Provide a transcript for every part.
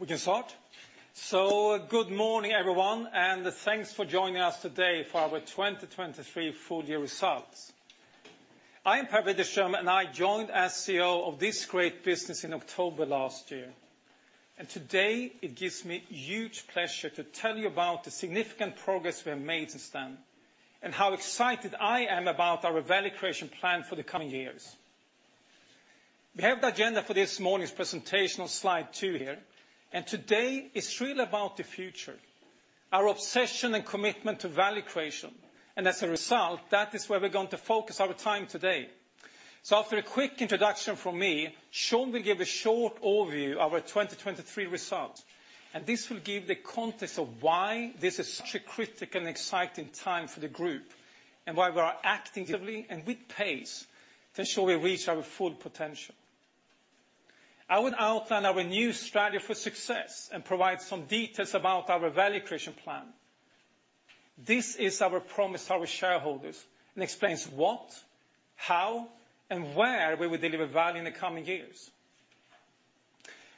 We can start. So, good morning, everyone, and thanks for joining us today for our 2023 Full-Year Results. I am Per Widerström, and I joined as CEO of Evoke in October last year. Today, it gives me huge pleasure to tell you about the significant progress we have made since then and how excited I am about our value creation plan for the coming years. We have the agenda for this morning's presentation on slide two here, and today is really about the future: our obsession and commitment to value creation, and as a result, that is where we're going to focus our time today. So, after a quick introduction from me, Sean will give a short overview of our 2023 results, and this will give the context of why this is such a critical and exciting time for the group and why we are acting actively and with pace to ensure we reach our full potential. I will outline our new strategy for success and provide some details about our value creation plan. This is our promise to our shareholders and explains what, how, and where we will deliver value in the coming years.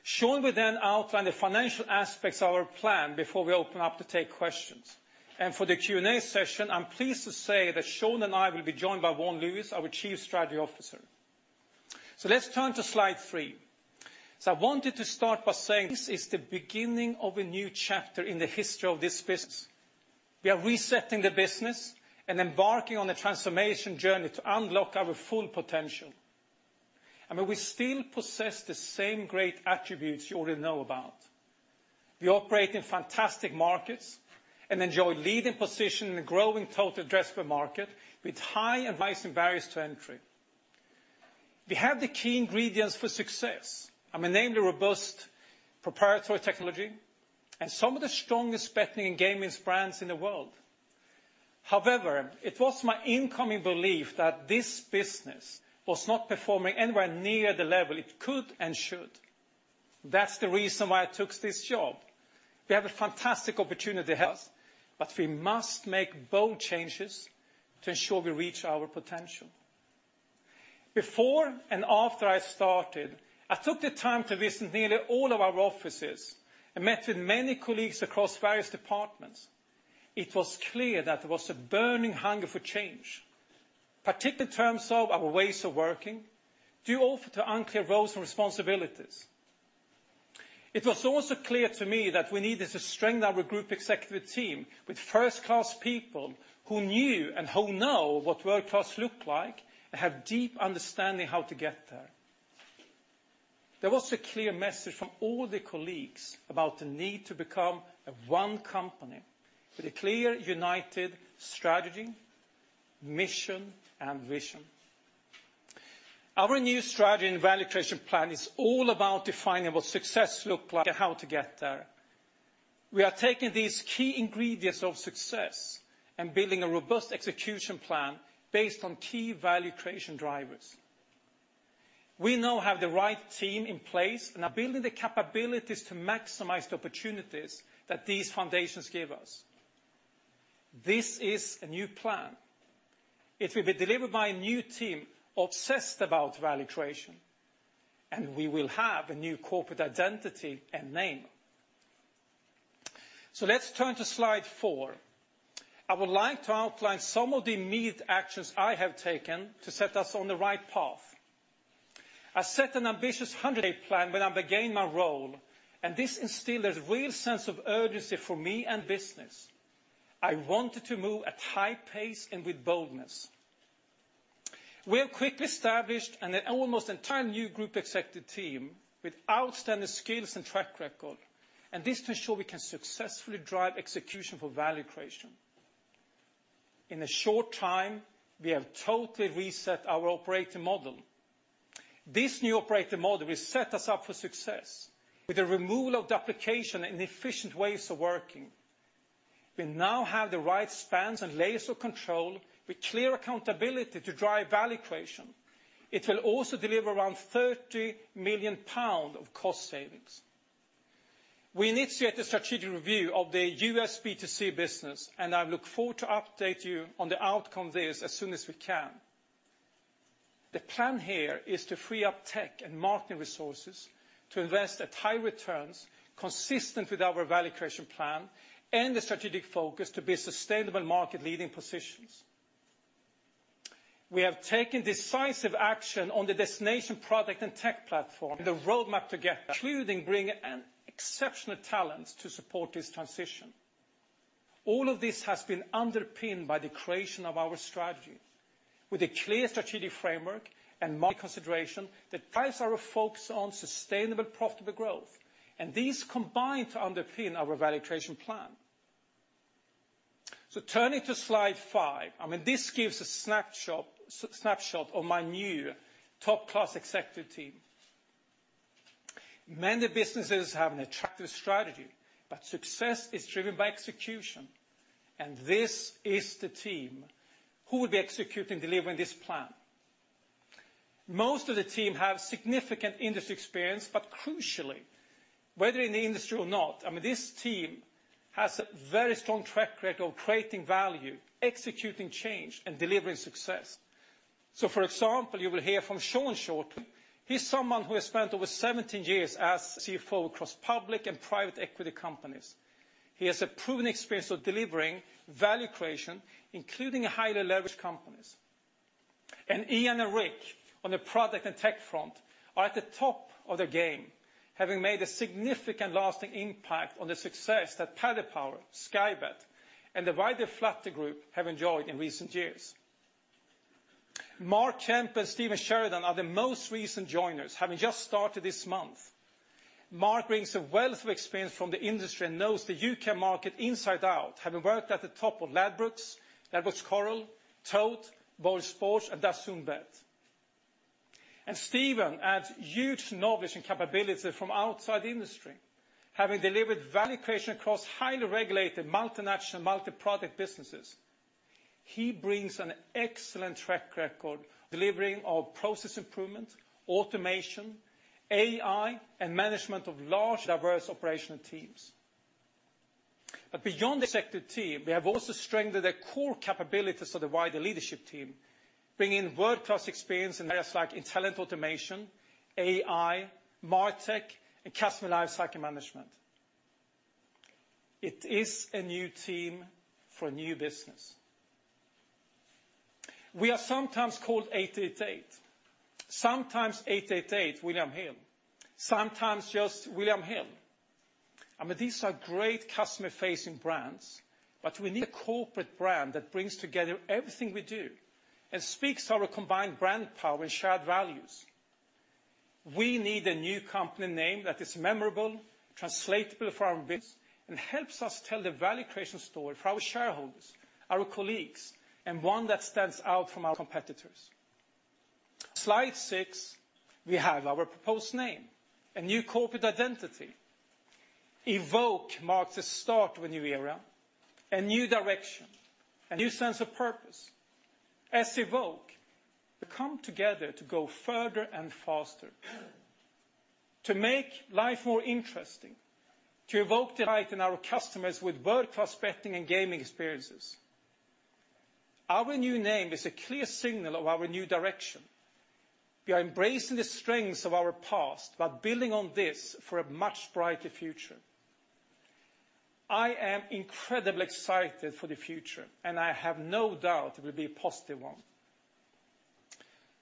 Sean will then outline the financial aspects of our plan before we open up to take questions. For the Q&A session, I'm pleased to say that Sean and I will be joined by Vaughan Lewis, our Chief Strategy Officer. So, let's turn to slide 3. So, I wanted to start by saying this is the beginning of a new chapter in the history of this business. We are resetting the business and embarking on a transformation journey to unlock our full potential. I mean, we still possess the same great attributes you already know about. We operate in fantastic markets and enjoy leading positions in the growing total addressable market with high and rising barriers to entry. We have the key ingredients for success. I mean, namely, robust proprietary technology and some of the strongest betting and gaming brands in the world. However, it was my incoming belief that this business was not performing anywhere near the level it could and should. That's the reason why I took this job. We have a fantastic opportunity ahead of us, but we must make bold changes to ensure we reach our potential. Before and after I started, I took the time to visit nearly all of our offices and met with many colleagues across various departments. It was clear that there was a burning hunger for change, particularly in terms of our ways of working due also to unclear roles and responsibilities. It was also clear to me that we needed to strengthen our group executive team with first-class people who knew and who know what world-class looks like and have deep understanding of how to get there. There was a clear message from all the colleagues about the need to become a one company with a clear, united strategy, mission, and vision. Our new strategy and value creation plan is all about defining what success looks like and how to get there. We are taking these key ingredients of success and building a robust execution plan based on key value creation drivers. We now have the right team in place and are building the capabilities to maximize the opportunities that these foundations give us. This is a new plan. It will be delivered by a new team obsessed about value creation, and we will have a new corporate identity and name. So, let's turn to slide four. I would like to outline some of the immediate actions I have taken to set us on the right path. I set an ambitious plan when I began my role, and this instilled a real sense of urgency for me and the business. I wanted to move at high pace and with boldness. We have quickly established an almost entirely new group executive team with outstanding skills and track record, and this to ensure we can successfully drive execution for value creation. In a short time, we have totally reset our operating model. This new operating model will set us up for success with the removal of duplication and inefficient ways of working. We now have the right spans and layers of control with clear accountability to drive value creation. It will also deliver around 30 million pounds of cost savings. We initiated a strategic review of the US B2C business, and I look forward to updating you on the outcome of this as soon as we can. The plan here is to free up tech and marketing resources to invest at high returns consistent with our value creation plan and the strategic focus to be in sustainable market-leading positions. We have taken decisive action on the destination product and tech platform and the roadmap to get there, including bringing in exceptional talents to support this transition. All of this has been underpinned by the creation of our strategy with a clear strategic framework and consideration that drives our focus on sustainable, profitable growth, and these combine to underpin our value creation plan. So, turning to slide five, I mean, this gives a snapshot of my new top-class executive team. Many businesses have an attractive strategy, but success is driven by execution, and this is the team who will be executing and delivering this plan. Most of the team have significant industry experience, but crucially, whether in the industry or not, I mean, this team has a very strong track record of creating value, executing change, and delivering success. So, for example, you will hear from Sean shortly. He's someone who has spent over 17 years as CFO across public and private equity companies. He has a proven experience of delivering value creation, including highly leveraged companies. Ian and Rik, on the product and tech front, are at the top of the game, having made a significant, lasting impact on the success that Paddy Power, Sky Bet, and the wider Flutter Group have enjoyed in recent years. Mark Kemp and Stephen Sheridan are the most recent joiners, having just started this month. Mark brings a wealth of experience from the industry and knows the UK market inside out, having worked at the top of Ladbrokes, Ladbrokes Coral, Tote, BoyleSports and DAZN Bet. Stephen adds huge knowledge and capabilities from outside the industry, having delivered value creation across highly regulated, multinational, multi-product businesses. He brings an excellent track record of delivering process improvement, automation, AI, and management of large, diverse operational teams. But beyond the executive team, we have also strengthened the core capabilities of the wider leadership team, bringing in world-class experience in areas like intelligent automation, AI, martech, and customer lifecycle management. It is a new team for a new business. We are sometimes called 888, sometimes 888 William Hill, sometimes just William Hill. I mean, these are great customer-facing brands, but we need a corporate brand that brings together everything we do and speaks to our combined brand power and shared values. We need a new company name that is memorable, translatable for our business, and helps us tell the value creation story for our shareholders, our colleagues, and one that stands out from our competitors. On slide 6, we have our proposed name, a new corporate identity. Evoke marks the start of a new era, a new direction, a new sense of purpose. As Evoke, we come together to go further and faster, to make life more interesting, to evoke delight in our customers with world-class betting and gaming experiences. Our new name is a clear signal of our new direction. We are embracing the strengths of our past but building on this for a much brighter future. I am incredibly excited for the future, and I have no doubt it will be a positive one.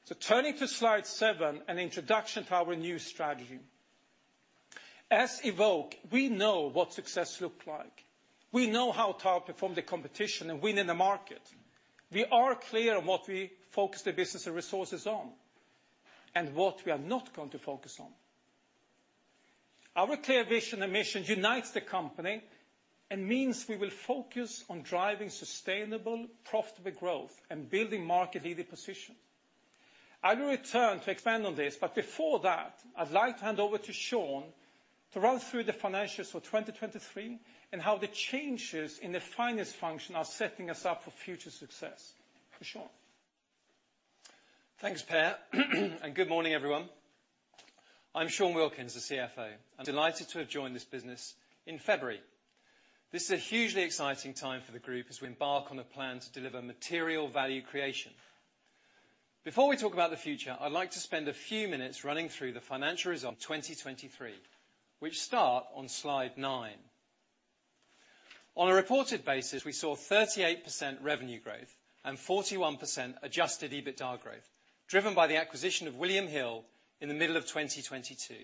So, turning to slide seven, an introduction to our new strategy. As Evoke, we know what success looks like. We know how to outperform the competition and win in the market. We are clear on what we focus the business and resources on and what we are not going to focus on. Our clear vision and mission unite the company and mean we will focus on driving sustainable, profitable growth and building market-leading positions. I will return to expand on this, but before that, I'd like to hand over to Sean to run through the financials for 2023 and how the changes in the finance function are setting us up for future success. For Sean. Thanks, Per, and good morning, everyone. I'm Sean Wilkins, the CFO, and I'm delighted to have joined this business in February. This is a hugely exciting time for the group as we embark on a plan to deliver material value creation. Before we talk about the future, I'd like to spend a few minutes running through the financial results for 2023, which start on slide 9. On a reported basis, we saw 38% revenue growth and 41% adjusted EBITDA growth, driven by the acquisition of William Hill in the middle of 2022.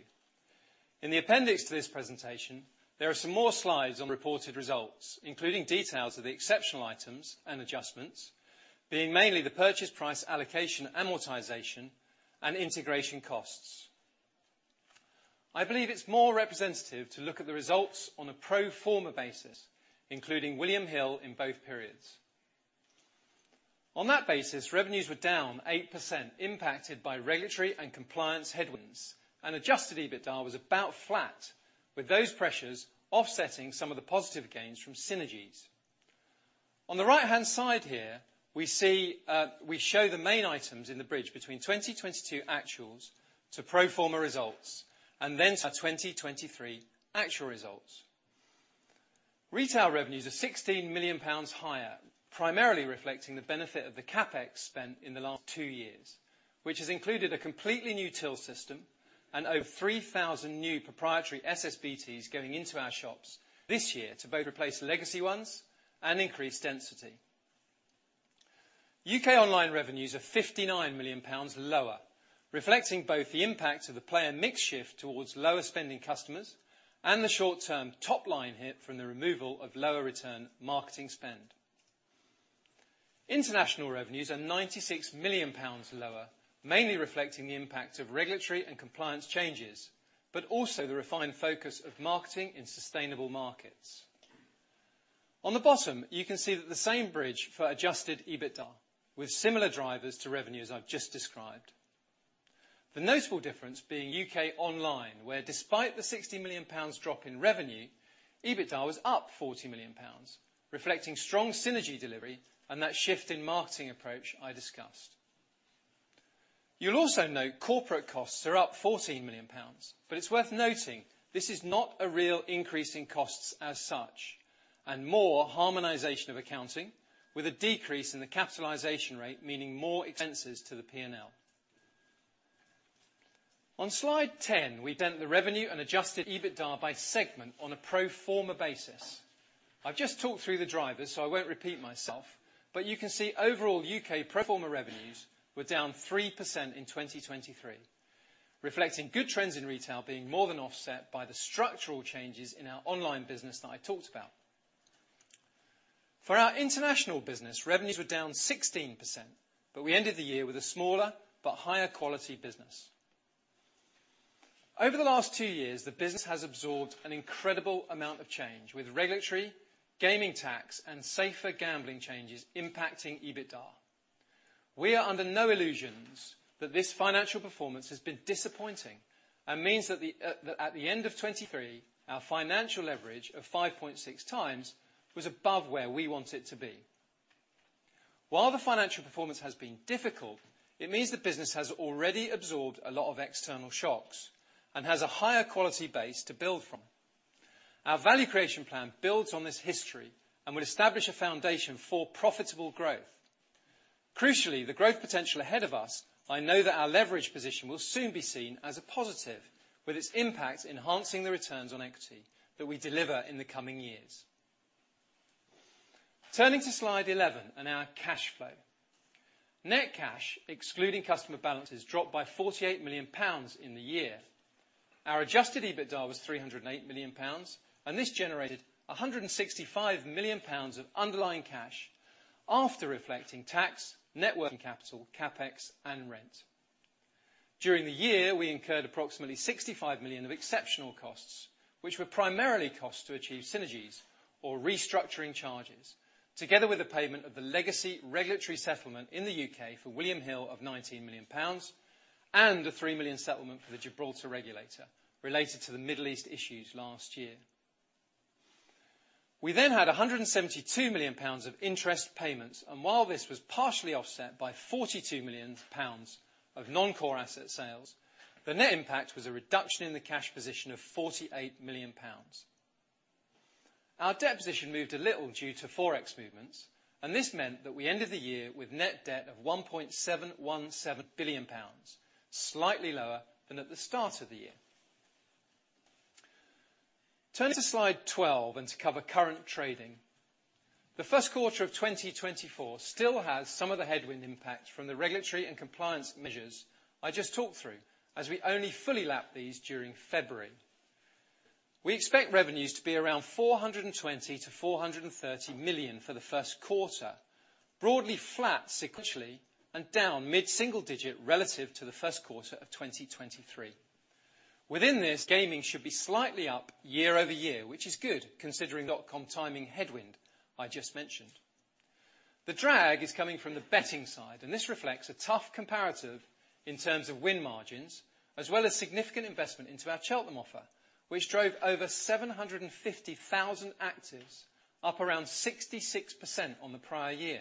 In the appendix to this presentation, there are some more slides on reported results, including details of the exceptional items and adjustments, being mainly the purchase price allocation, amortization, and integration costs. I believe it's more representative to look at the results on a pro forma basis, including William Hill in both periods. On that basis, revenues were down 8%, impacted by regulatory and compliance headwinds, and adjusted EBITDA was about flat, with those pressures offsetting some of the positive gains from synergies. On the right-hand side here, we see we show the main items in the bridge between 2022 actuals to pro forma results and then to 2023 actual results. Retail revenues are 16 million pounds higher, primarily reflecting the benefit of the CapEx spent in the last two years, which has included a completely new till system and over 3,000 new proprietary SSBTs going into our shops this year to both replace legacy ones and increase density. UK online revenues are 59 million pounds lower, reflecting both the impact of the player mix shift towards lower-spending customers and the short-term top-line hit from the removal of lower-return marketing spend. International revenues are 96 million pounds lower, mainly reflecting the impact of regulatory and compliance changes, but also the refined focus of marketing in sustainable markets. On the bottom, you can see the same bridge for adjusted EBITDA, with similar drivers to revenues I've just described. The notable difference being UK online, where despite the 60 million pounds drop in revenue, EBITDA was up 40 million pounds, reflecting strong synergy delivery and that shift in marketing approach I discussed. You'll also note corporate costs are up 14 million pounds, but it's worth noting this is not a real increase in costs as such, and more harmonization of accounting with a decrease in the capitalization rate, meaning more expenses to the P&L. On slide ten, we see the revenue and adjusted EBITDA by segment on a pro forma basis. I've just talked through the drivers, so I won't repeat myself, but you can see overall UK pro forma revenues were down 3% in 2023, reflecting good trends in retail being more than offset by the structural changes in our online business that I talked about. For our international business, revenues were down 16%, but we ended the year with a smaller but higher-quality business. Over the last two years, the business has absorbed an incredible amount of change, with regulatory, gaming tax, and safer gambling changes impacting EBITDA. We are under no illusions that this financial performance has been disappointing and means that at the end of 2023, our financial leverage of 5.6 times was above where we want it to be. While the financial performance has been difficult, it means the business has already absorbed a lot of external shocks and has a higher-quality base to build from. Our value creation plan builds on this history and will establish a foundation for profitable growth. Crucially, the growth potential ahead of us, I know that our leverage position will soon be seen as a positive, with its impact enhancing the returns on equity that we deliver in the coming years. Turning to slide 11 and our cash flow. Net cash, excluding customer balances, dropped by GBP 48 million in the year. Our Adjusted EBITDA was GBP 308 million, and this generated GBP 165 million of underlying cash after reflecting tax, net working capital, CapEx, and rent. During the year, we incurred approximately 65 million of exceptional costs, which were primarily costs to achieve synergies or restructuring charges, together with the payment of the legacy regulatory settlement in the UK for William Hill of 19 million pounds and a 3 million settlement for the Gibraltar regulator related to the Middle East issues last year. We then had 172 million pounds of interest payments, and while this was partially offset by 42 million pounds of non-core asset sales, the net impact was a reduction in the cash position of 48 million pounds. Our debt position moved a little due to forex movements, and this meant that we ended the year with net debt of 1.717 billion pounds, slightly lower than at the start of the year. Turning to slide 12 and to cover current trading. The first quarter of 2024 still has some of the headwind impact from the regulatory and compliance measures I just talked through, as we only fully lapped these during February. We expect revenues to be around 420-430 million for the first quarter, broadly flat sequentially and down mid-single digit relative to the first quarter of 2023. Within this, gaming should be slightly up year-over-year, which is good considering the dot-com timing headwind I just mentioned. The drag is coming from the betting side, and this reflects a tough comparative in terms of win margins as well as significant investment into our Cheltenham offer, which drove over 750,000 actives up around 66% on the prior year.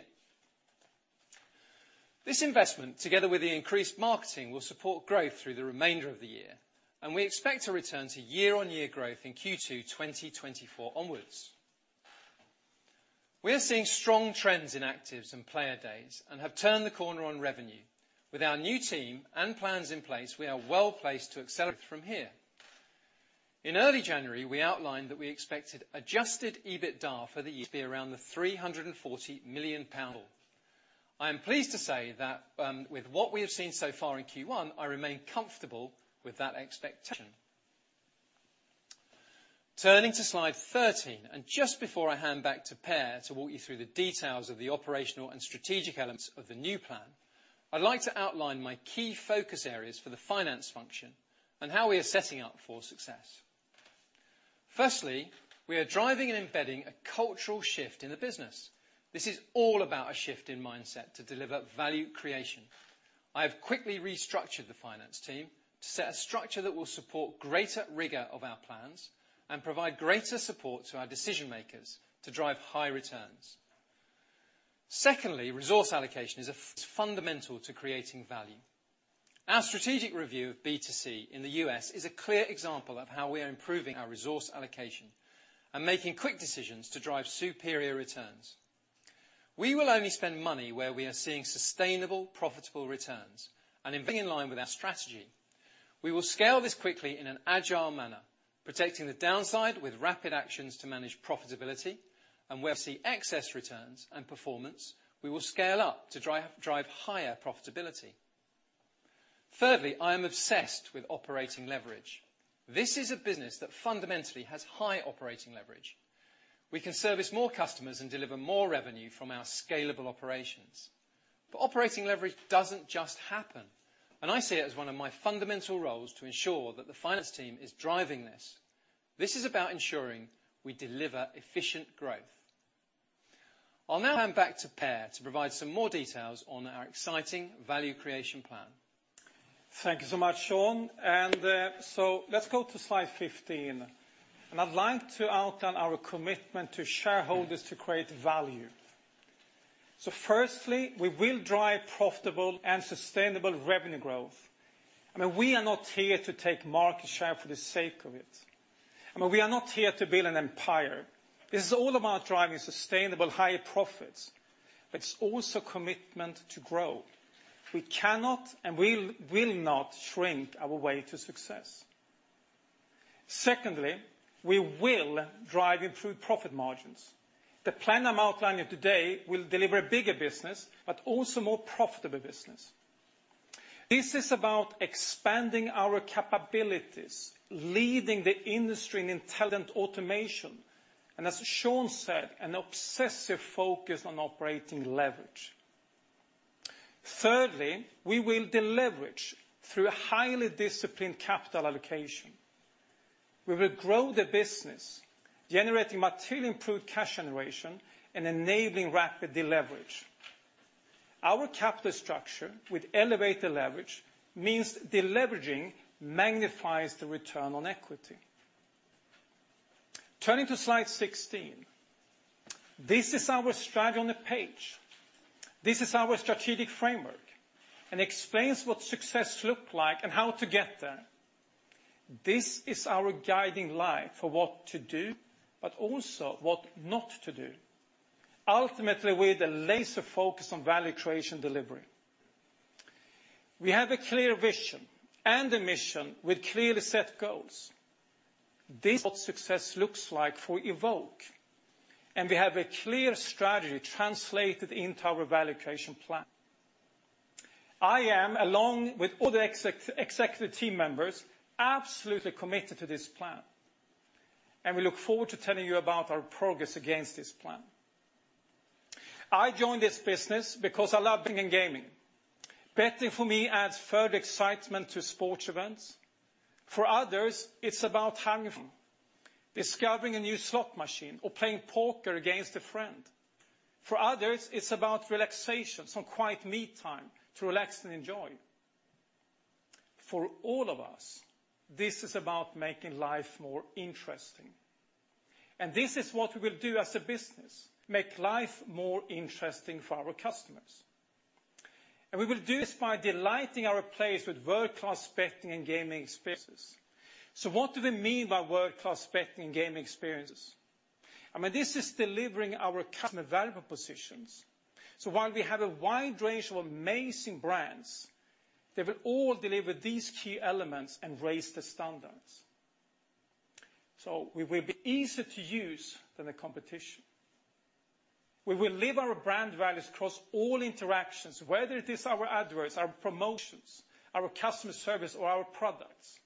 This investment, together with the increased marketing, will support growth through the remainder of the year, and we expect a return to year-on-year growth in Q2 2024 onwards. We are seeing strong trends in actives and player days and have turned the corner on revenue. With our new team and plans in place, we are well placed to accelerate from here. In early January, we outlined that we expected Adjusted EBITDA for the year to be around GBP 340 million. I am pleased to say that with what we have seen so far in Q1, I remain comfortable with that expectation. Turning to slide 13, and just before I hand back to Per to walk you through the details of the operational and strategic elements of the new plan, I'd like to outline my key focus areas for the finance function and how we are setting up for success. Firstly, we are driving and embedding a cultural shift in the business. This is all about a shift in mindset to deliver value creation. I have quickly restructured the finance team to set a structure that will support greater rigor of our plans and provide greater support to our decision-makers to drive high returns. Secondly, resource allocation is fundamental to creating value. Our strategic review of B2C in the U.S. is a clear example of how we are improving our resource allocation and making quick decisions to drive superior returns. We will only spend money where we are seeing sustainable, profitable returns, and in line with our strategy, we will scale this quickly in an agile manner, protecting the downside with rapid actions to manage profitability, and where we see excess returns and performance, we will scale up to drive higher profitability. Thirdly, I am obsessed with operating leverage. This is a business that fundamentally has high operating leverage. We can service more customers and deliver more revenue from our scalable operations. But operating leverage doesn't just happen, and I see it as one of my fundamental roles to ensure that the finance team is driving this. This is about ensuring we deliver efficient growth. I'll now hand back to Per to provide some more details on our exciting value creation plan. Thank you so much, Sean. Let's go to slide 15. I'd like to outline our commitment to shareholders to create value. Firstly, we will drive profitable and sustainable revenue growth. I mean, we are not here to take market share for the sake of it. I mean, we are not here to build an empire. This is all about driving sustainable, high profits, but it's also a commitment to grow. We cannot and will not shrink our way to success. Secondly, we will drive improved profit margins. The plan I'm outlining today will deliver a bigger business but also a more profitable business. This is about expanding our capabilities, leading the industry in intelligent automation, and as Sean said, an obsessive focus on operating leverage. Thirdly, we will deleverage through highly disciplined capital allocation. We will grow the business, generating materially improved cash generation and enabling rapid deleverage. Our capital structure with elevated leverage means deleveraging magnifies the return on equity. Turning to slide 16. This is our strategy on the page. This is our strategic framework and explains what success looks like and how to get there. This is our guiding light for what to do but also what not to do. Ultimately, we're the laser focus on value creation delivery. We have a clear vision and a mission with clearly set goals. This is what success looks like for Evoke, and we have a clear strategy translated into our value creation plan. I am, along with all the executive team members, absolutely committed to this plan, and we look forward to telling you about our progress against this plan. I joined this business because I love betting and gaming. Betting for me adds further excitement to sports events. For others, it's about having fun, discovering a new slot machine, or playing poker against a friend. For others, it's about relaxation, some quiet me time to relax and enjoy. For all of us, this is about making life more interesting. This is what we will do as a business: make life more interesting for our customers. We will do this by delighting our players with world-class betting and gaming experiences. What do we mean by world-class betting and gaming experiences? I mean, this is delivering our customers valuable propositions. While we have a wide range of amazing brands, they will all deliver these key elements and raise the standards. We will be easier to use than the competition. We will live our brand values across all interactions, whether it is our ads, our promotions, our customer service, or our products.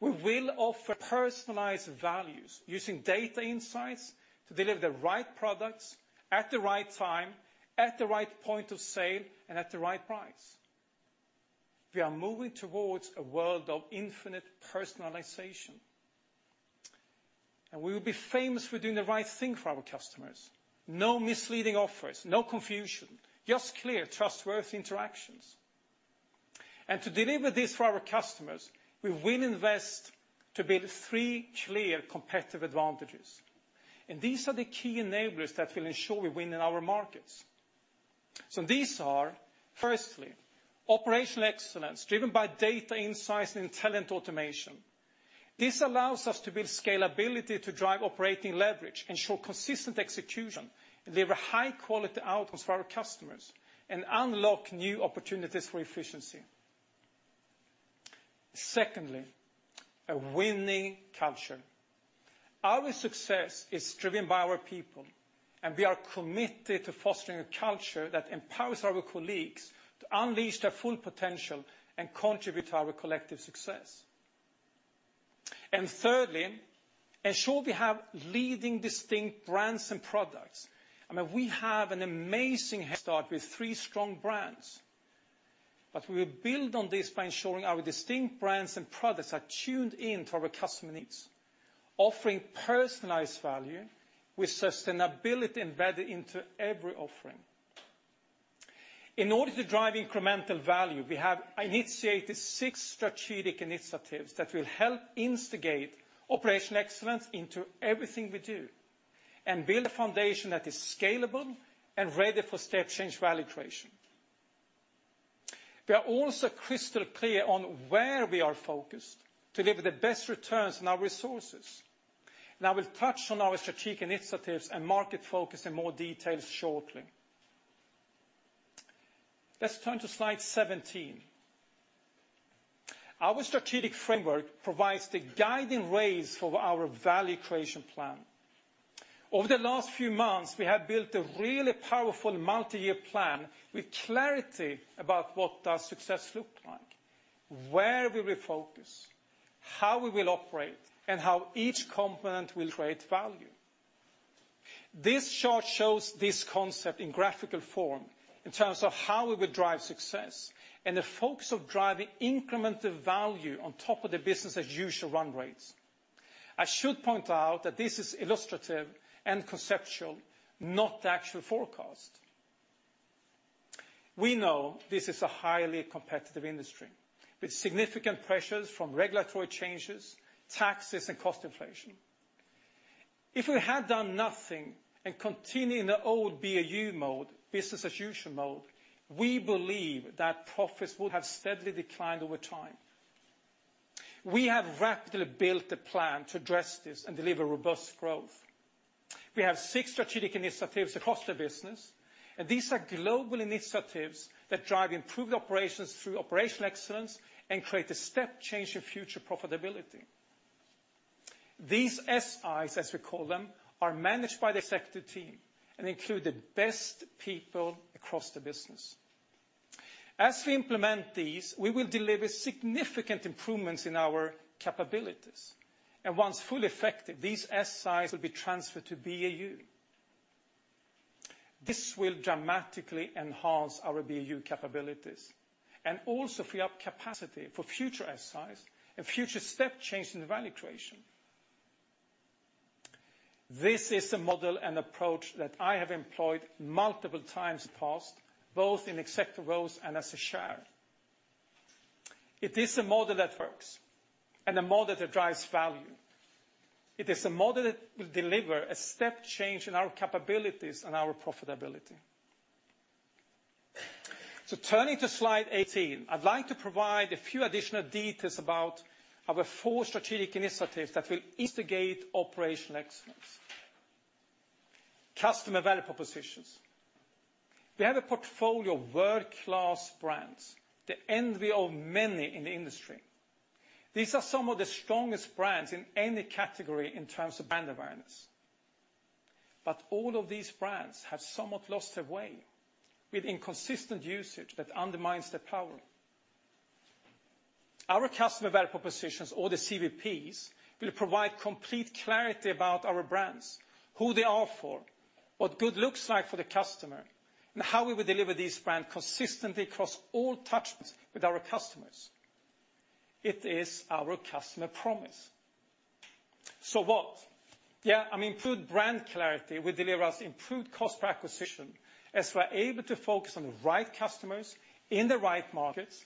We will offer personalized values using data insights to deliver the right products at the right time, at the right point of sale, and at the right price. We are moving towards a world of infinite personalization. We will be famous for doing the right thing for our customers: no misleading offers, no confusion, just clear, trustworthy interactions. To deliver this for our customers, we will invest to build three clear competitive advantages. These are the key enablers that will ensure we win in our markets. These are, firstly, operational excellence driven by data insights and intelligent automation. This allows us to build scalability to drive operating leverage, ensure consistent execution, deliver high-quality outcomes for our customers, and unlock new opportunities for efficiency. Secondly, a winning culture. Our success is driven by our people, and we are committed to fostering a culture that empowers our colleagues to unleash their full potential and contribute to our collective success. And thirdly, ensure we have leading, distinct brands and products. I mean, we have an amazing start with three strong brands, but we will build on this by ensuring our distinct brands and products are tuned in to our customer needs, offering personalized value with sustainability embedded into every offering. In order to drive incremental value, we have initiated six strategic initiatives that will help instigate operational excellence into everything we do and build a foundation that is scalable and ready for step-change value creation. We are also crystal clear on where we are focused to deliver the best returns on our resources. I will touch on our strategic initiatives and market focus in more detail shortly. Let's turn to slide 17. Our strategic framework provides the guiding rails for our value creation plan. Over the last few months, we have built a really powerful multi-year plan with clarity about what success looks like, where we will focus, how we will operate, and how each component will create value. This chart shows this concept in graphical form in terms of how we will drive success and the focus of driving incremental value on top of the business-as-usual run rates. I should point out that this is illustrative and conceptual, not the actual forecast. We know this is a highly competitive industry with significant pressures from regulatory changes, taxes, and cost inflation. If we had done nothing and continued in the old BAU mode, business-as-usual mode, we believe that profits would have steadily declined over time. We have rapidly built a plan to address this and deliver robust growth. We have six strategic initiatives across the business, and these are global initiatives that drive improved operations through operational excellence and create a step-change in future profitability. These SIs, as we call them, are managed by the executive team and include the best people across the business. As we implement these, we will deliver significant improvements in our capabilities. Once fully effective, these SIs will be transferred to BAU. This will dramatically enhance our BAU capabilities and also free up capacity for future SIs and future step-changes in value creation. This is a model and approach that I have employed multiple times in the past, both in executive roles and as a chair. It is a model that works and a model that drives value. It is a model that will deliver a step-change in our capabilities and our profitability. Turning to slide 18, I'd like to provide a few additional details about our four strategic initiatives that will instigate operational excellence. Customer Value Propositions. We have a portfolio of world-class brands, the envy of many in the industry. These are some of the strongest brands in any category in terms of brand awareness. But all of these brands have somewhat lost their way with inconsistent usage that undermines their power. Our customer value propositions, or the CVPs, will provide complete clarity about our brands, who they are for, what good looks like for the customer, and how we will deliver these brands consistently across all touchpoints with our customers. It is our customer promise. So what? Yeah, I mean, improved brand clarity will deliver us improved cost per acquisition as we are able to focus on the right customers in the right markets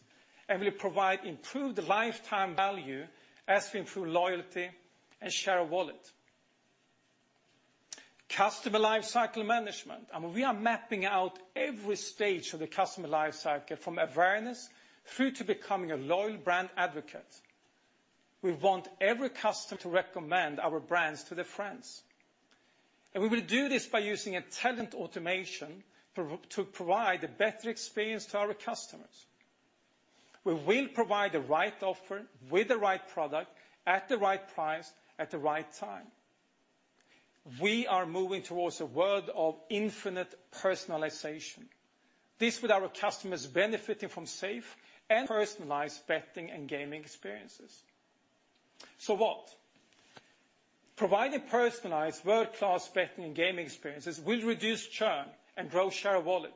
and will provide improved lifetime value as we improve loyalty and share a wallet. Customer lifecycle management. I mean, we are mapping out every stage of the customer lifecycle from awareness through to becoming a loyal brand advocate. We want every customer to recommend our brands to their friends. And we will do this by using intelligent automation to provide a better experience to our customers. We will provide the right offer with the right product at the right price at the right time. We are moving towards a world of infinite personalization. This will allow our customers to benefit from safe and personalized betting and gaming experiences. So what? Providing personalized, world-class betting and gaming experiences will reduce churn and grow share of wallet,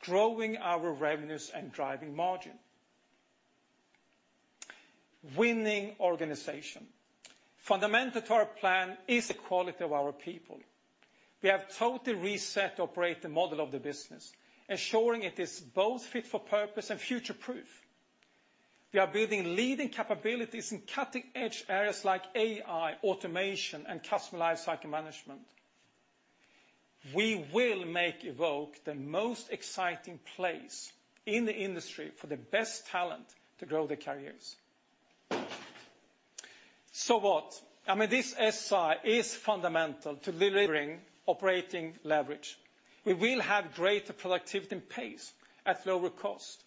growing our revenues and driving margin. Winning organization. Fundamental to our plan is the quality of our people. We have totally reset the operating model of the business, ensuring it is both fit for purpose and future-proof. We are building leading capabilities in cutting-edge areas like AI, automation, and customer lifecycle management. We will make Evoke the most exciting place in the industry for the best talent to grow their careers. So what? I mean, this SI is fundamental to delivering operating leverage. We will have greater productivity and pace at lower cost,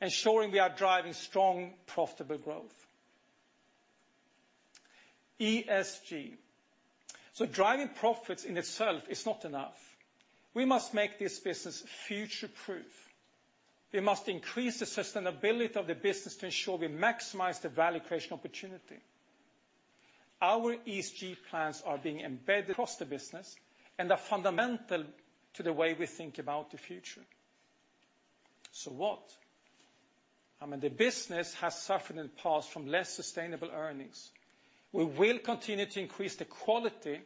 ensuring we are driving strong, profitable growth. ESG. So driving profits in itself is not enough. We must make this business future-proof. We must increase the sustainability of the business to ensure we maximize the value creation opportunity. Our ESG plans are being embedded across the business and are fundamental to the way we think about the future. So what? I mean, the business has suffered in the past from less sustainable earnings. We will continue to increase the quality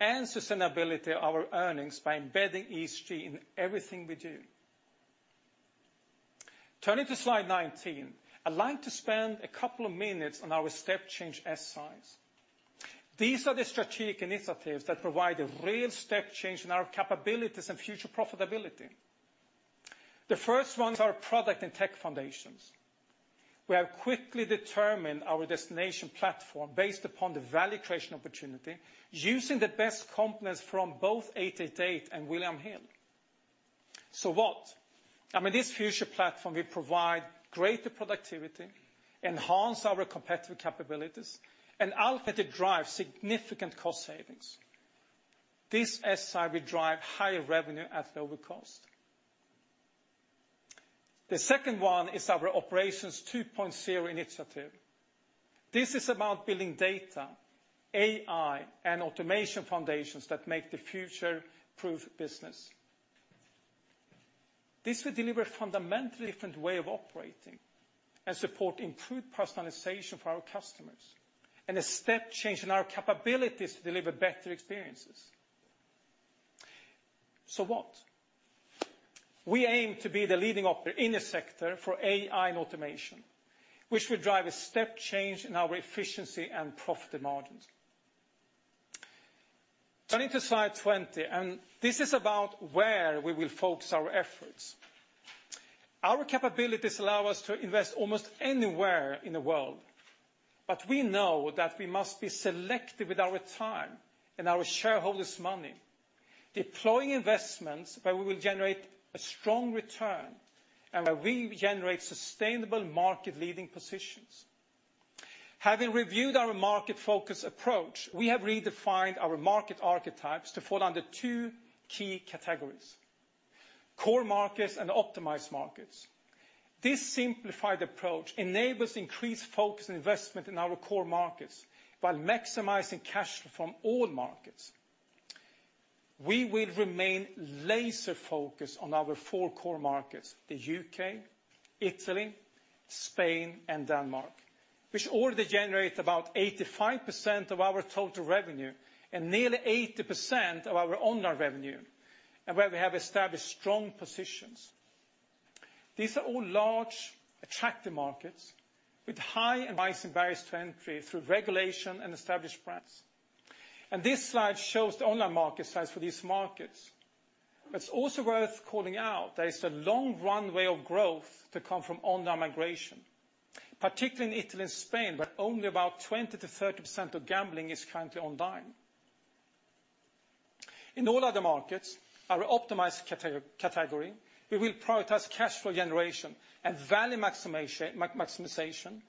and sustainability of our earnings by embedding ESG in everything we do. Turning to slide 19, I'd like to spend a couple of minutes on our step-change SIs. These are the strategic initiatives that provide a real step-change in our capabilities and future profitability. The first one is our product and tech foundations. We have quickly determined our destination platform based upon the value creation opportunity using the best components from both 888 and William Hill. So what? I mean, this future platform will provide greater productivity, enhance our competitive capabilities, and ultimately drive significant cost savings. This SI will drive higher revenue at lower cost. The second one is our Operations 2.0 initiative. This is about building data, AI, and automation foundations that make the future-proof business. This will deliver a fundamentally different way of operating and support improved personalization for our customers and a step-change in our capabilities to deliver better experiences. So what? We aim to be the leading operator in the sector for AI and automation, which will drive a step-change in our efficiency and profit margins. Turning to slide 20, and this is about where we will focus our efforts. Our capabilities allow us to invest almost anywhere in the world, but we know that we must be selective with our time and our shareholders' money, deploying investments where we will generate a strong return and where we generate sustainable market-leading positions. Having reviewed our market-focused approach, we have redefined our market archetypes to fall under two key categories: core markets and optimized markets. This simplified approach enables increased focus and investment in our core markets while maximizing cash flow from all markets. We will remain laser-focused on our four core markets: the UK, Italy, Spain, and Denmark, which already generate about 85% of our total revenue and nearly 80% of our online revenue, and where we have established strong positions. These are all large, attractive markets with high and rising barriers to entry through regulation and established brands. This slide shows the online market size for these markets. But it's also worth calling out there is a long runway of growth to come from online migration, particularly in Italy and Spain, where only about 20%-30% of gambling is currently online. In all other markets, our optimized category, we will prioritize cash flow generation and value maximization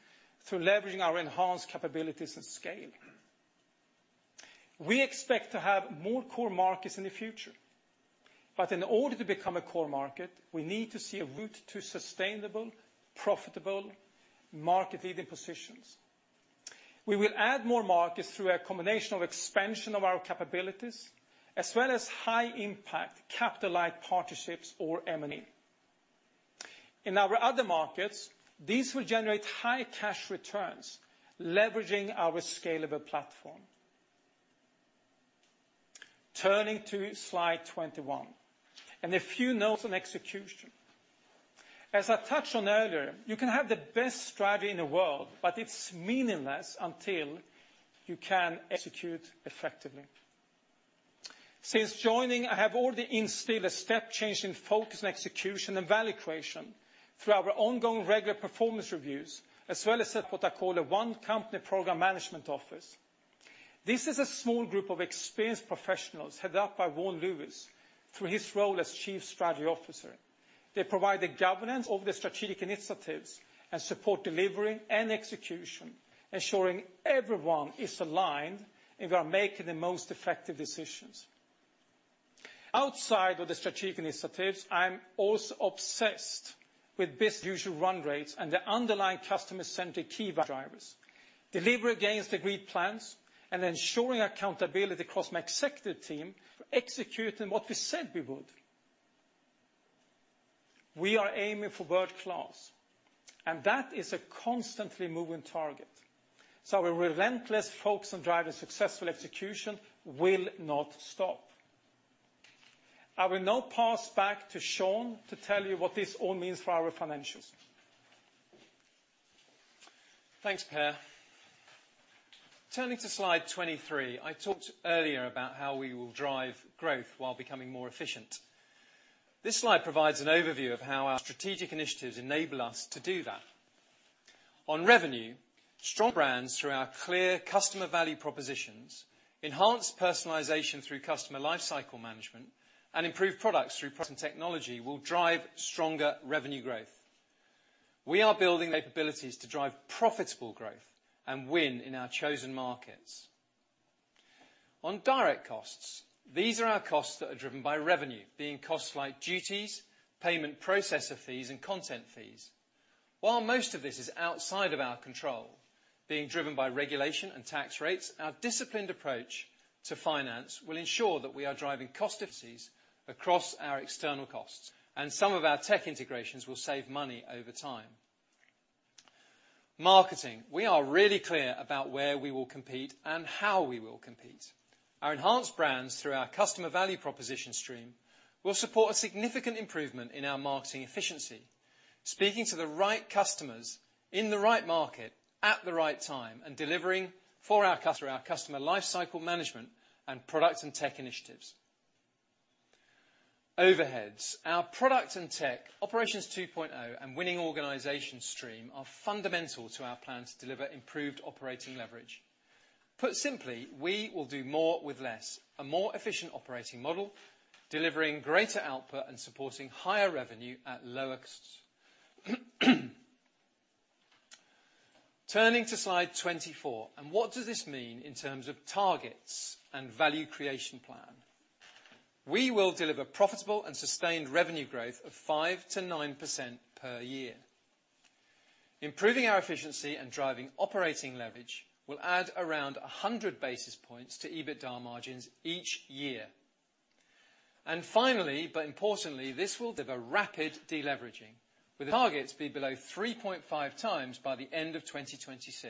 through leveraging our enhanced capabilities and scale. We expect to have more core markets in the future, but in order to become a core market, we need to see a route to sustainable, profitable, market-leading positions. We will add more markets through a combination of expansion of our capabilities as well as high-impact, capital-like partnerships, or M&A. In our other markets, these will generate high cash returns leveraging our scalable platform. Turning to slide 21 and a few notes on execution. As I touched on earlier, you can have the best strategy in the world, but it's meaningless until you can execute effectively. Since joining, I have already instilled a step-change in focus and execution and value creation through our ongoing regular performance reviews as well as what I call a one-company program management office. This is a small group of experienced professionals headed up by Vaughan Lewis through his role as Chief Strategy Officer. They provide the governance of the strategic initiatives and support delivery and execution, ensuring everyone is aligned and we are making the most effective decisions. Outside of the strategic initiatives, I'm also obsessed with business-as-usual run rates and the underlying customer-centric key drivers, delivery against agreed plans, and ensuring accountability across my executive team for executing what we said we would. We are aiming for world-class, and that is a constantly moving target. So our relentless focus on driving successful execution will not stop. I will now pass back to Sean to tell you what this all means for our financials. Thanks, Per. Turning to slide 23, I talked earlier about how we will drive growth while becoming more efficient. This slide provides an overview of how our strategic initiatives enable us to do that. On revenue, strong brands through our clear customer value propositions, enhanced personalization through customer lifecycle management, and improved products through products and technology will drive stronger revenue growth. We are building capabilities to drive profitable growth and win in our chosen markets. On direct costs, these are our costs that are driven by revenue, being costs like duties, payment processor fees, and content fees. While most of this is outside of our control, being driven by regulation and tax rates, our disciplined approach to finance will ensure that we are driving cost efficiencies across our external costs, and some of our tech integrations will save money over time. Marketing. We are really clear about where we will compete and how we will compete. Our enhanced brands through our customer value proposition stream will support a significant improvement in our marketing efficiency, speaking to the right customers in the right market at the right time and delivering through our customer lifecycle management and product and tech initiatives. Overheads. Our product and tech, Operations 2.0, and winning organisation stream are fundamental to our plan to deliver improved operating leverage. Put simply, we will do more with less, a more efficient operating model, delivering greater output and supporting higher revenue at lower costs. Turning to slide 24, what does this mean in terms of targets and value creation plan? We will deliver profitable and sustained revenue growth of 5%-9% per year. Improving our efficiency and driving operating leverage will add around 100 basis points to EBITDA margins each year. Finally, but importantly, this will deliver rapid deleveraging, with targets being below 3.5 times by the end of 2026.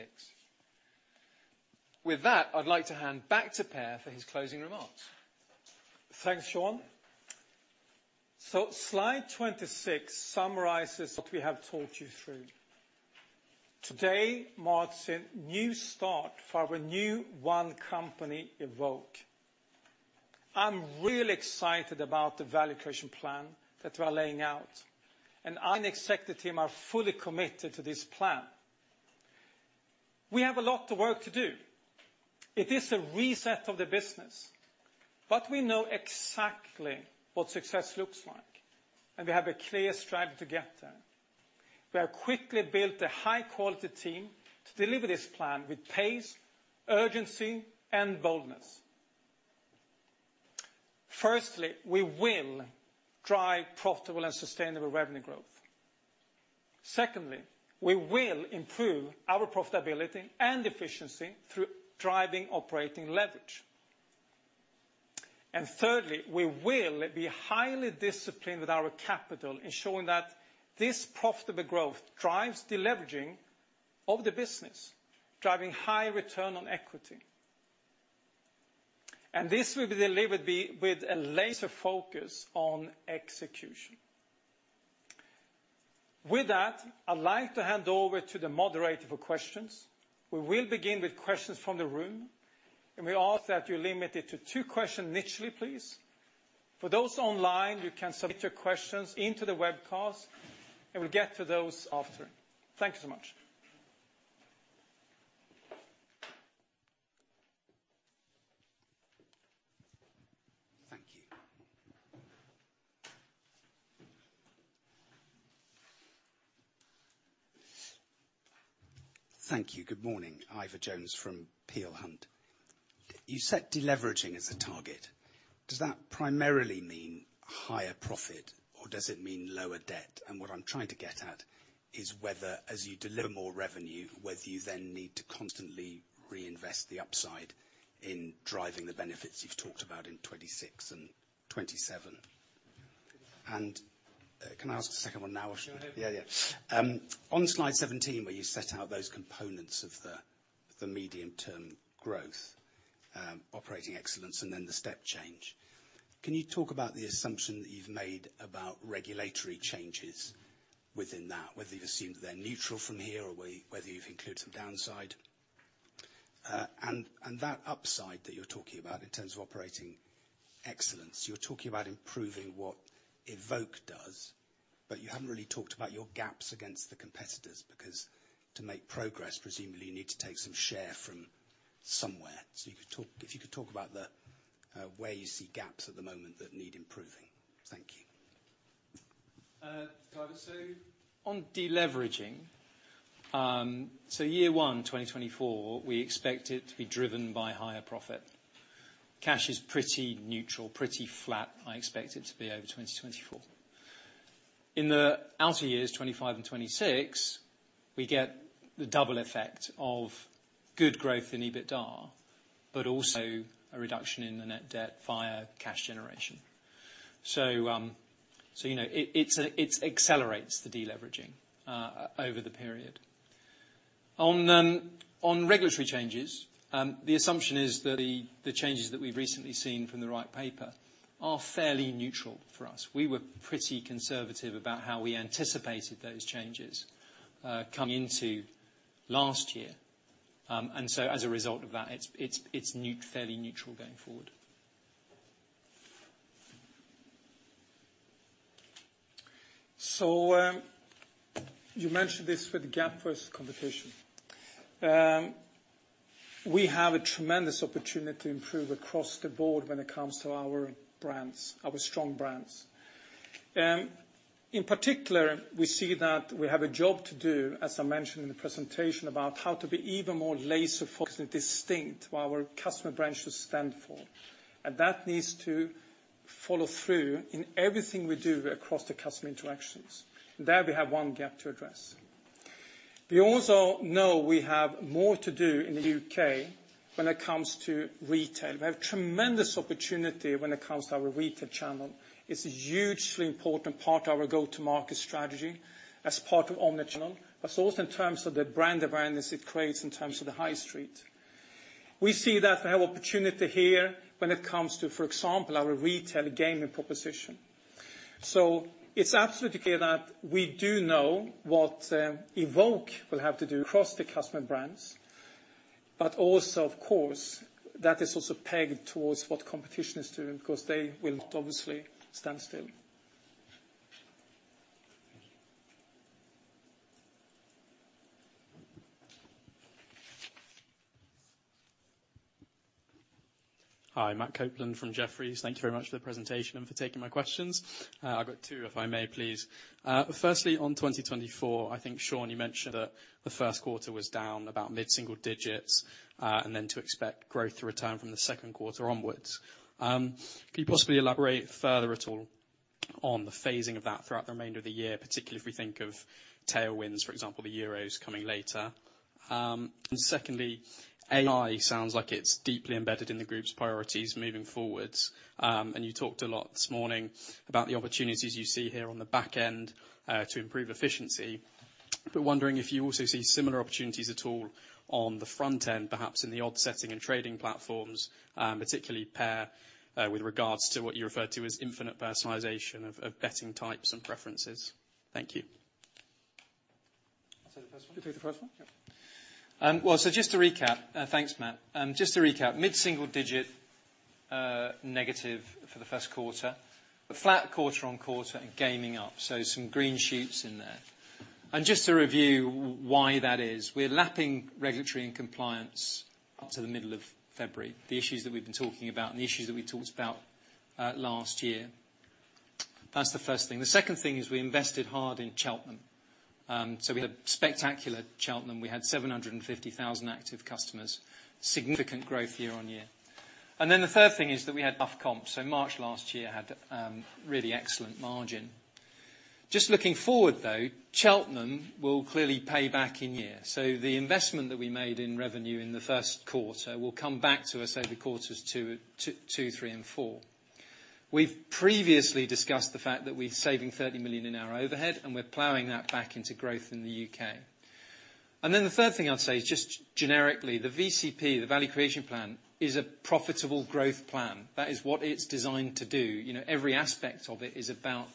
With that, I'd like to hand back to Per for his closing remarks. Thanks, Sean. Slide 26 summarises what we have talked you through. Today marks a new start for our new one-company Evoke. I'm really excited about the value creation plan that we are laying out, and I and the executive team are fully committed to this plan. We have a lot of work to do. It is a reset of the business, but we know exactly what success looks like, and we have a clear strategy to get there. We have quickly built a high-quality team to deliver this plan with pace, urgency, and boldness. Firstly, we will drive profitable and sustainable revenue growth. Secondly, we will improve our profitability and efficiency through driving operating leverage. And thirdly, we will be highly disciplined with our capital, ensuring that this profitable growth drives deleveraging of the business, driving high return on equity. And this will be delivered with a laser focus on execution. With that, I'd like to hand over to the moderator for questions. We will begin with questions from the room, and we ask that you limit it to two questions each, please. For those online, you can submit your questions into the webcast, and we'll get to those after. Thank you so much. Thank you. Thank you. Good morning. Ivor Jones from Peel Hunt. You set deleveraging as a target. Does that primarily mean higher profit, or does it mean lower debt? And what I'm trying to get at is whether, as you deliver more revenue, whether you then need to constantly reinvest the upside in driving the benefits you've talked about in 2026 and 2027. And can I ask a second one now? Yeah, yeah. On slide 17, where you set out those components of the medium-term growth, operating excellence, and then the step-change, can you talk about the assumption that you've made about regulatory changes within that, whether you've assumed they're neutral from here or whether you've included some downside? That upside that you're talking about in terms of operating excellence, you're talking about improving what Evoke does, but you haven't really talked about your gaps against the competitors because, to make progress, presumably, you need to take some share from somewhere. So if you could talk about the way you see gaps at the moment that need improving. Thank you. Gavison. On deleveraging, so year 1, 2024, we expect it to be driven by higher profit. Cash is pretty neutral, pretty flat. I expect it to be over 2024. In the outer years, 2025 and 2026, we get the double effect of good growth in EBITDA but also a reduction in the net debt via cash generation. So it accelerates the deleveraging over the period. On regulatory changes, the assumption is that the changes that we've recently seen from the White Paper are fairly neutral for us. We were pretty conservative about how we anticipated those changes coming into last year. So, as a result of that, it's fairly neutral going forward. You mentioned this with the gap versus competition. We have a tremendous opportunity to improve across the board when it comes to our strong brands. In particular, we see that we have a job to do, as I mentioned in the presentation, about how to be even more laser-focused and distinct, what our customer brand should stand for. That needs to follow through in everything we do across the customer interactions. There, we have one gap to address. We also know we have more to do in the UK when it comes to retail. We have tremendous opportunity when it comes to our retail channel. It's a hugely important part of our go-to-market strategy as part of omnichannel, but also in terms of the brand awareness it creates in terms of the high street. We see that we have opportunity here when it comes to, for example, our retail gaming proposition. So it's absolutely clear that we do know what Evoke will have to do across the customer brands, but also, of course, that is also pegged towards what competition is doing because they will not, obviously, stand still. Thank you. Hi. Matt Copeland from Jefferies. Thank you very much for the presentation and for taking my questions. I've got two, if I may, please. Firstly, on 2024, I think Sean, you mentioned that the first quarter was down about mid-single digits and then to expect growth to return from the second quarter onwards. Can you possibly elaborate further at all on the phasing of that throughout the remainder of the year, particularly if we think of tailwinds, for example, the Euros coming later? And secondly, AI sounds like it's deeply embedded in the group's priorities moving forward. And you talked a lot this morning about the opportunities you see here on the back end to improve efficiency, but wondering if you also see similar opportunities at all on the front end, perhaps in the odds setting and trading platforms, particularly, Per, with regards to what you refer to as infinite personalization of betting types and preferences. Thank you. Say the first one. You take the first one. Yeah. Well, so just to recap. Thanks, Matt. Just to recap, mid-single-digit negative for the first quarter. Flat quarter-over-quarter and gaming up, so some green shoots in there. Just to review why that is, we're lapping regulatory and compliance up to the middle of February, the issues that we've been talking about and the issues that we talked about last year. That's the first thing. The second thing is we invested hard in Cheltenham. So we had a spectacular Cheltenham. We had 750,000 active customers, significant growth year-over-year. And then the third thing is that we had tough comps, so March last year had really excellent margin. Just looking forward, though, Cheltenham will clearly pay back in year. So the investment that we made in revenue in the first quarter will come back to us over quarters two, three, and four. We've previously discussed the fact that we're saving 30 million in our overhead, and we're plowing that back into growth in the UK. And then the third thing I'd say is, just generically, the VCP, the value creation plan, is a profitable growth plan. That is what it's designed to do. Every aspect of it is about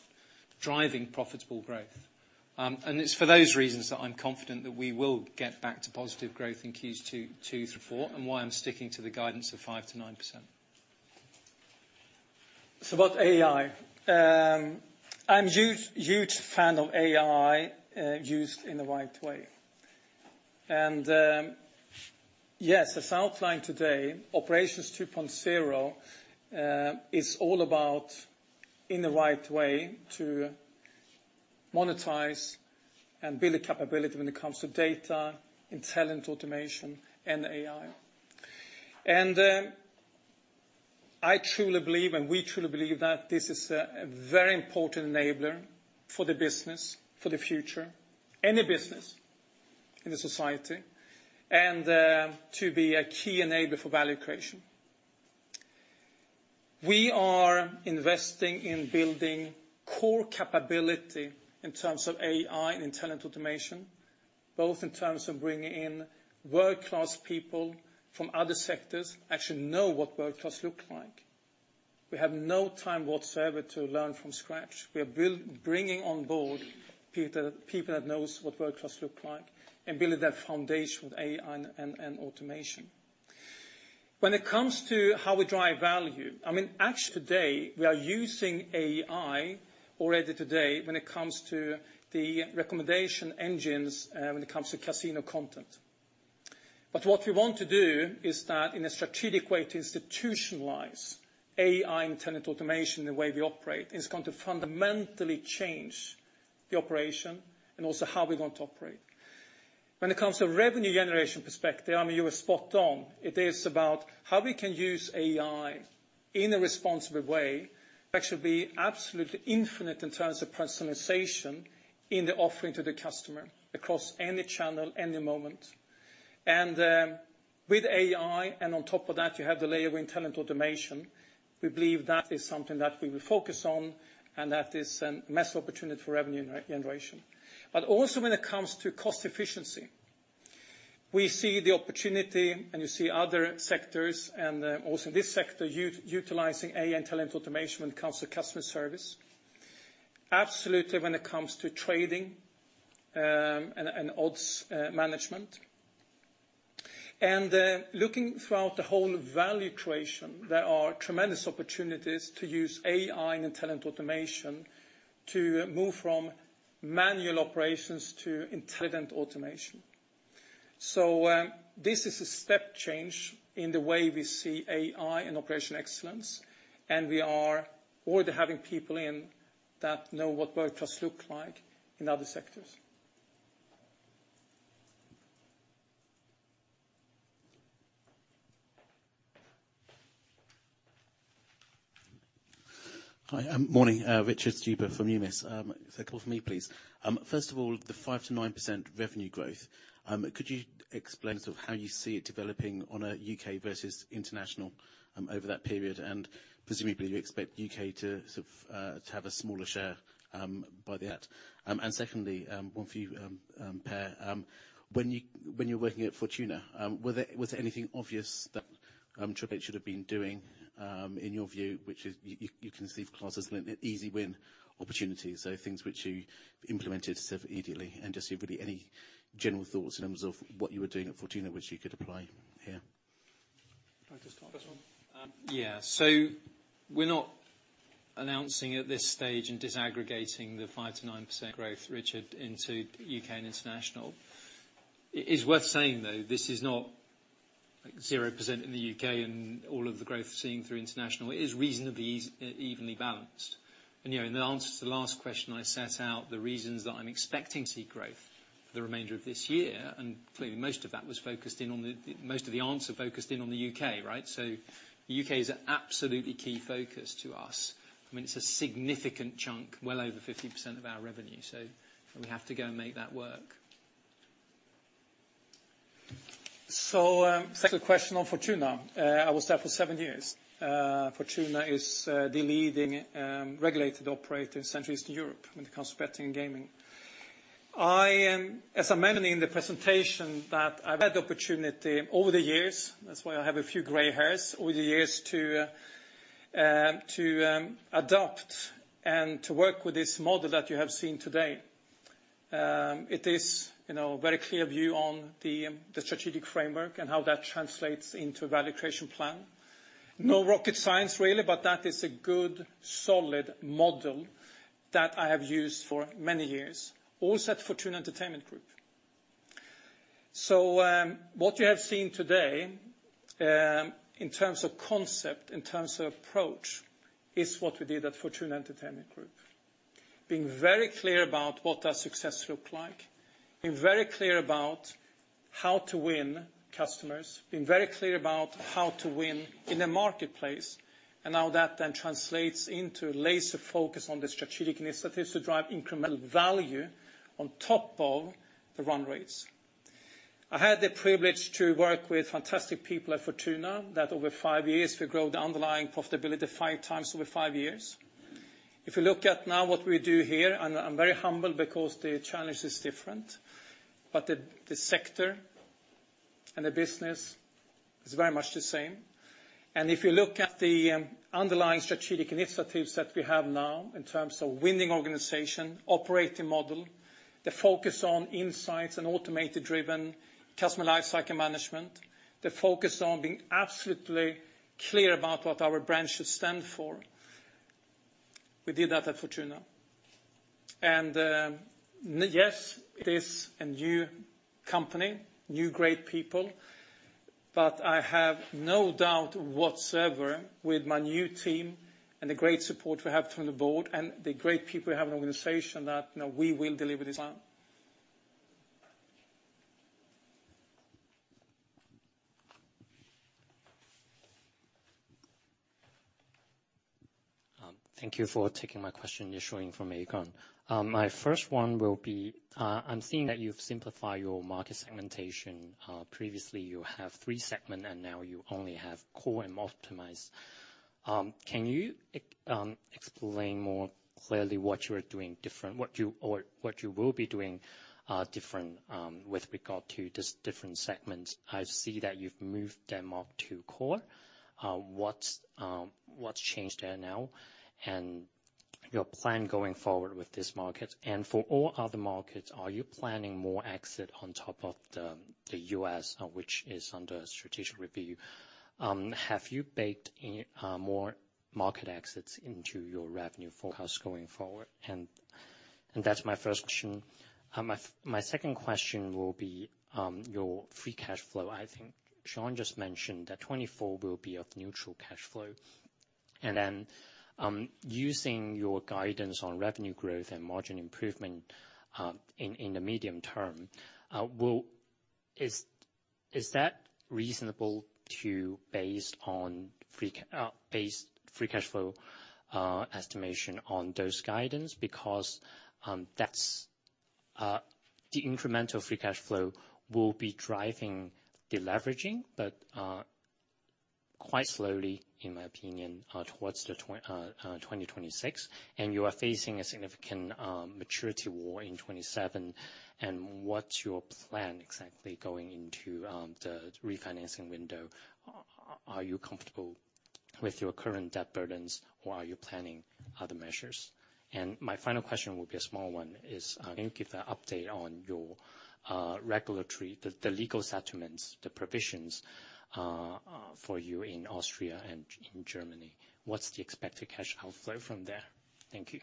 driving profitable growth. And it's for those reasons that I'm confident that we will get back to positive growth in Q2, Q3, and Q4, and why I'm sticking to the guidance of 5%-9%. So about AI. I'm a huge fan of AI used in the right way. And yes, as outlined today, Operations 2.0 is all about, in the right way, to monetize and build the capability when it comes to data and talent automation and AI. And I truly believe, and we truly believe, that this is a very important enabler for the business, for the future, any business in the society, and to be a key enabler for value creation. We are investing in building core capability in terms of AI and intelligent automation, both in terms of bringing in world-class people from other sectors who actually know what world-class looks like. We have no time whatsoever to learn from scratch. We are bringing on board people that know what world-class looks like and building that foundation with AI and automation. When it comes to how we drive value, I mean, actually, today, we are using AI already today when it comes to the recommendation engines when it comes to casino content. But what we want to do is that, in a strategic way, to institutionalize AI and intelligent automation in the way we operate, and it's going to fundamentally change the operation and also how we're going to operate. When it comes to revenue generation perspective, I mean, you were spot on. It is about how we can use AI in a responsible way. It actually will be absolutely infinite in terms of personalization in the offering to the customer across any channel, any moment. And with AI, and on top of that, you have the layer of intelligent automation, we believe that is something that we will focus on, and that is a massive opportunity for revenue generation. But also, when it comes to cost efficiency, we see the opportunity, and you see other sectors, and also in this sector, utilizing AI and intelligent automation when it comes to customer service, absolutely when it comes to trading and odds management. And looking throughout the whole value creation, there are tremendous opportunities to use AI and intelligent automation to move from manual operations to intelligent automation. So this is a step change in the way we see AI and operational excellence, and we are already having people in the know what world-class looks like in other sectors. Hi. Morning. Richard Stuber from Deutsche Numis. Say a couple for me, please. First of all, the 5%-9% revenue growth, could you explain sort of how you see it developing on a UK versus international over that period? And presumably, you expect UK to sort of have a smaller share by the. That. And secondly, one for you, Per. When you were working at Fortuna, was there anything obvious that Triple Eight should have been doing, in your view, which you see as an easy win opportunity, so things which you implemented sort of immediately? And just really any general thoughts in terms of what you were doing at Fortuna which you could apply here? I'd like to start. First one. Yeah. So we're not announcing at this stage and disaggregating the 5%-9% growth, Richard, into UK and international. It is worth saying, though, this is not 0% in the UK and all of the growth seen through international. It is reasonably evenly balanced. And in the answer to the last question I set out, the reasons that I'm expecting to see growth for the remainder of this year, and clearly, most of that was focused in on the most of the answer focused in on the UK, right? So the UK is an absolutely key focus to us. I mean, it's a significant chunk, well over 50% of our revenue. So we have to go and make that work So second question on Fortuna. I was there for seven years. Fortuna is the leading regulated operator in Central and Eastern Europe when it comes to betting and gaming. As I mentioned in the presentation, that I've had the opportunity over the years - that's why I have a few gray hairs - over the years to adopt and to work with this model that you have seen today. It is a very clear view on the strategic framework and how that translates into a value creation plan. No rocket science, really, but that is a good, solid model that I have used for many years, also at Fortuna Entertainment Group. So what you have seen today, in terms of concept, in terms of approach, is what we did at Fortuna Entertainment Group, being very clear about what our success looked like, being very clear about how to win customers, being very clear about how to win in the marketplace, and how that then translates into laser focus on the strategic initiatives to drive incremental value on top of the run rates. I had the privilege to work with fantastic people at Fortuna that, over five years, we grow the underlying profitability five times over five years. If you look at now what we do here—and I'm very humble because the challenge is different—but the sector and the business is very much the same. If you look at the underlying strategic initiatives that we have now in terms of winning organization, operating model, the focus on insights and automation-driven customer lifecycle management, the focus on being absolutely clear about what our brand should stand for, we did that at Fortuna. Yes. It is a new company, new, great people, but I have no doubt whatsoever, with my new team and the great support we have from the board and the great people we have in organization, that we will deliver this plan. Thank you for taking my question and just shouting from a corner. My first one will be I'm seeing that you've simplified your market segmentation. Previously, you have three segments, and now you only have core and optimized. Can you explain more clearly what you are doing different, what you will be doing different with regard to these different segments? I see that you've moved them up to core. What's changed there now and your plan going forward with this market? For all other markets, are you planning more exits on top of the US, which is under strategic review? Have you baked more market exits into your revenue forecast going forward? That's my first question. My second question will be your free cash flow, I think. Sean just mentioned that 2024 will be of neutral cash flow. Then, using your guidance on revenue growth and margin improvement in the medium term, is that reasonable based on free cash flow estimation on those guidance? Because the incremental free cash flow will be driving the leveraging, but quite slowly, in my opinion, towards 2026. You are facing a significant maturity wall in 2027. What's your plan exactly going into the refinancing window? Are you comfortable with your current debt burdens, or are you planning other measures? My final question will be a small one. Can you give an update on the legal settlements, the provisions for you in Austria and in Germany? What's the expected cash outflow from there? Thank you.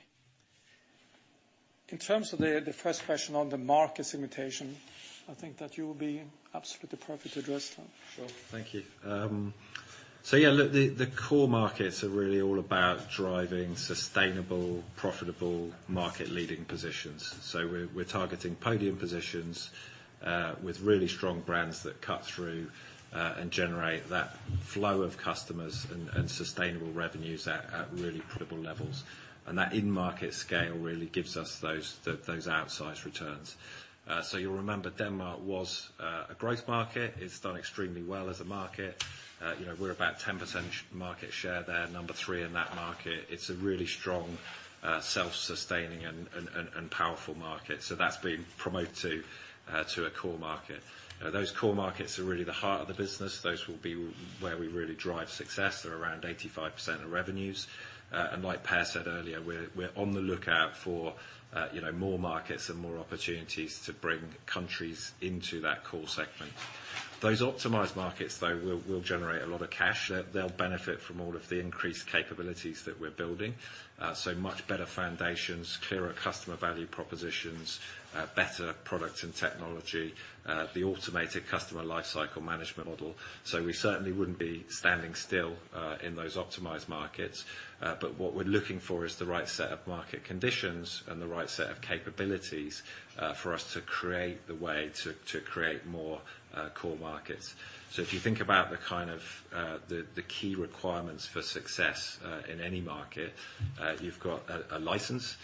In terms of the first question on the market segmentation, I think that you will be absolutely perfect to address that. Sure. Thank you. So yeah, look, the core markets are really all about driving sustainable, profitable market-leading positions. We're targeting podium positions with really strong brands that cut through and generate that flow of customers and sustainable revenues at really profitable levels. That in-market scale really gives us those outsized returns. You'll remember Denmark was a growth market. It's done extremely well as a market. We're about 10% market share there, number three in that market. It's a really strong, self-sustaining, and powerful market. So that's been promoted to a core market. Those core markets are really the heart of the business. Those will be where we really drive success. They're around 85% of revenues. And like Per said earlier, we're on the lookout for more markets and more opportunities to bring countries into that core segment. Those optimised markets, though, will generate a lot of cash. They'll benefit from all of the increased capabilities that we're building. So much better foundations, clearer customer value propositions, better product and technology, the automated customer lifecycle management model. So we certainly wouldn't be standing still in those optimised markets. But what we're looking for is the right set of market conditions and the right set of capabilities for us to create the way to create more core markets. So if you think about the kind of the key requirements for success in any market, you've got a license.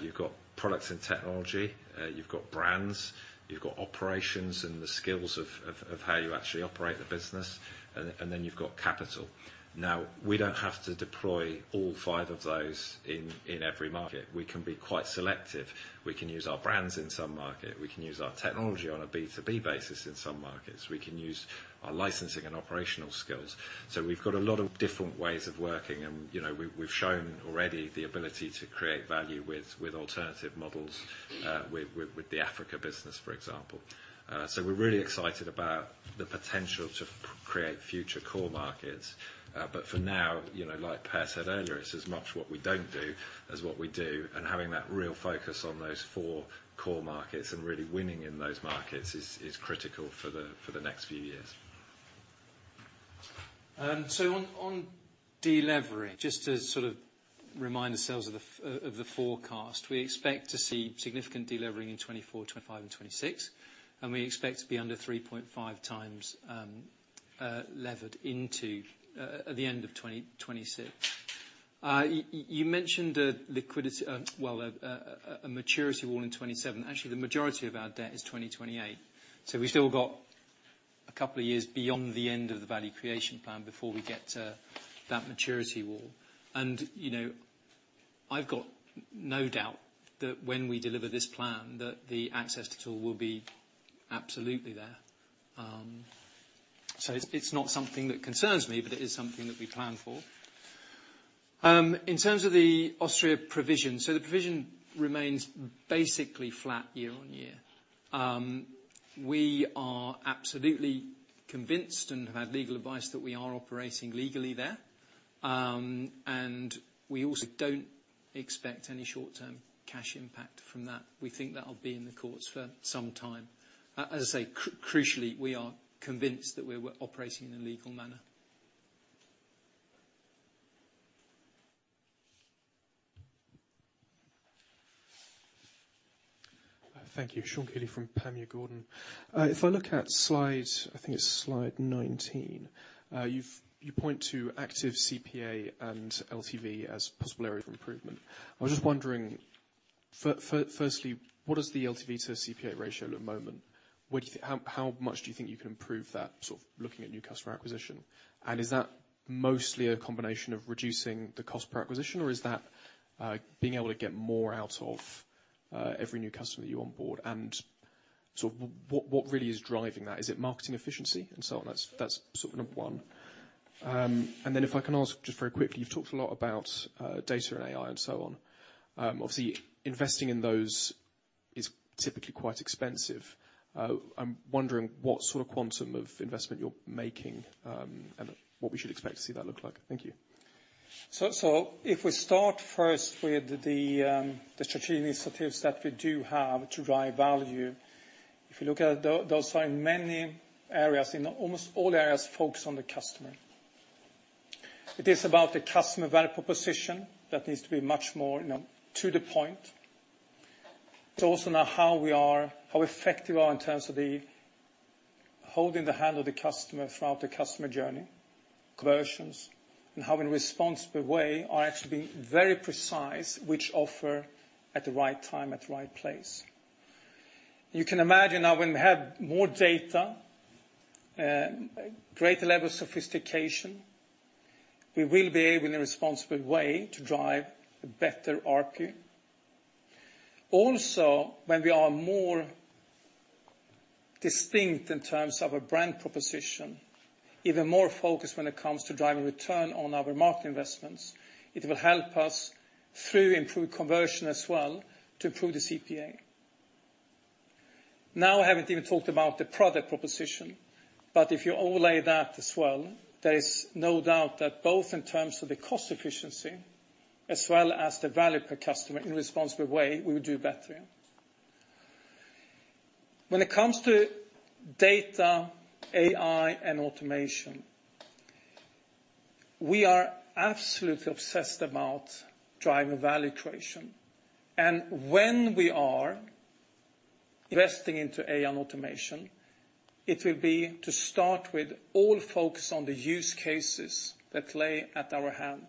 You've got products and technology. You've got brands. You've got operations and the skills of how you actually operate the business. And then you've got capital. Now, we don't have to deploy all five of those in every market. We can be quite selective. We can use our brands in some market. We can use our technology on a B2B basis in some markets. We can use our licensing and operational skills. So we've got a lot of different ways of working. And we've shown already the ability to create value with alternative models, with the Africa business, for example. So we're really excited about the potential to create future core markets. But for now, like Per said earlier, it's as much what we don't do as what we do. Having that real focus on those four core markets and really winning in those markets is critical for the next few years. On delivery, just to sort of remind ourselves of the forecast, we expect to see significant delivering in 2024, 2025, and 2026. We expect to be under 3.5 times levered into at the end of 2026. You mentioned a liquidity wall, a maturity wall in 2027. Actually, the majority of our debt is 2028. We've still got a couple of years beyond the end of the value creation plan before we get to that maturity wall. I've got no doubt that when we deliver this plan, that the access to the market will be absolutely there. It's not something that concerns me, but it is something that we plan for. In terms of the Austria provision, so the provision remains basically flat year-over-year. We are absolutely convinced and have had legal advice that we are operating legally there. We also don't expect any short-term cash impact from that. We think that'll be in the courts for some time. As I say, crucially, we are convinced that we're operating in a legal manner. Thank you. Sean Kealy from Panmure Gordon. If I look at the slides, I think it's slide 19. You point to actives, CPA and LTV as possible areas for improvement. I was just wondering, firstly, what does the LTV to CPA ratio look at the moment? How much do you think you can improve that, sort of looking at new customer acquisition? Is that mostly a combination of reducing the cost per acquisition, or is that being able to get more out of every new customer that you onboard? And sort of what really is driving that? Is it marketing efficiency and so on? That's sort of number one. And then if I can ask just very quickly, you've talked a lot about data and AI and so on. Obviously, investing in those is typically quite expensive. I'm wondering what sort of quantum of investment you're making and what we should expect to see that look like. Thank you. So if we start first with the strategic initiatives that we do have to drive value, if we look at those, there are many areas in almost all areas focused on the customer. It is about the customer value proposition that needs to be much more to the point. It's also now how effective we are in terms of holding the hand of the customer throughout the customer journey. Conversions, and how, in a responsible way, we are actually being very precise which offer at the right time, at the right place. You can imagine now when we have more data, greater level of sophistication, we will be able, in a responsible way, to drive a better RPU. Also, when we are more distinct in terms of our brand proposition, even more focused when it comes to driving return on our marketing investments, it will help us, through improved conversion as well, to improve the CPA. Now, I haven't even talked about the product proposition. But if you overlay that as well, there is no doubt that both in terms of the cost efficiency as well as the value per customer, in a responsible way, we will do better. When it comes to data, AI, and automation, we are absolutely obsessed about driving value creation. And when we are investing into AI and automation, it will be to start with all focus on the use cases that lay at our hand.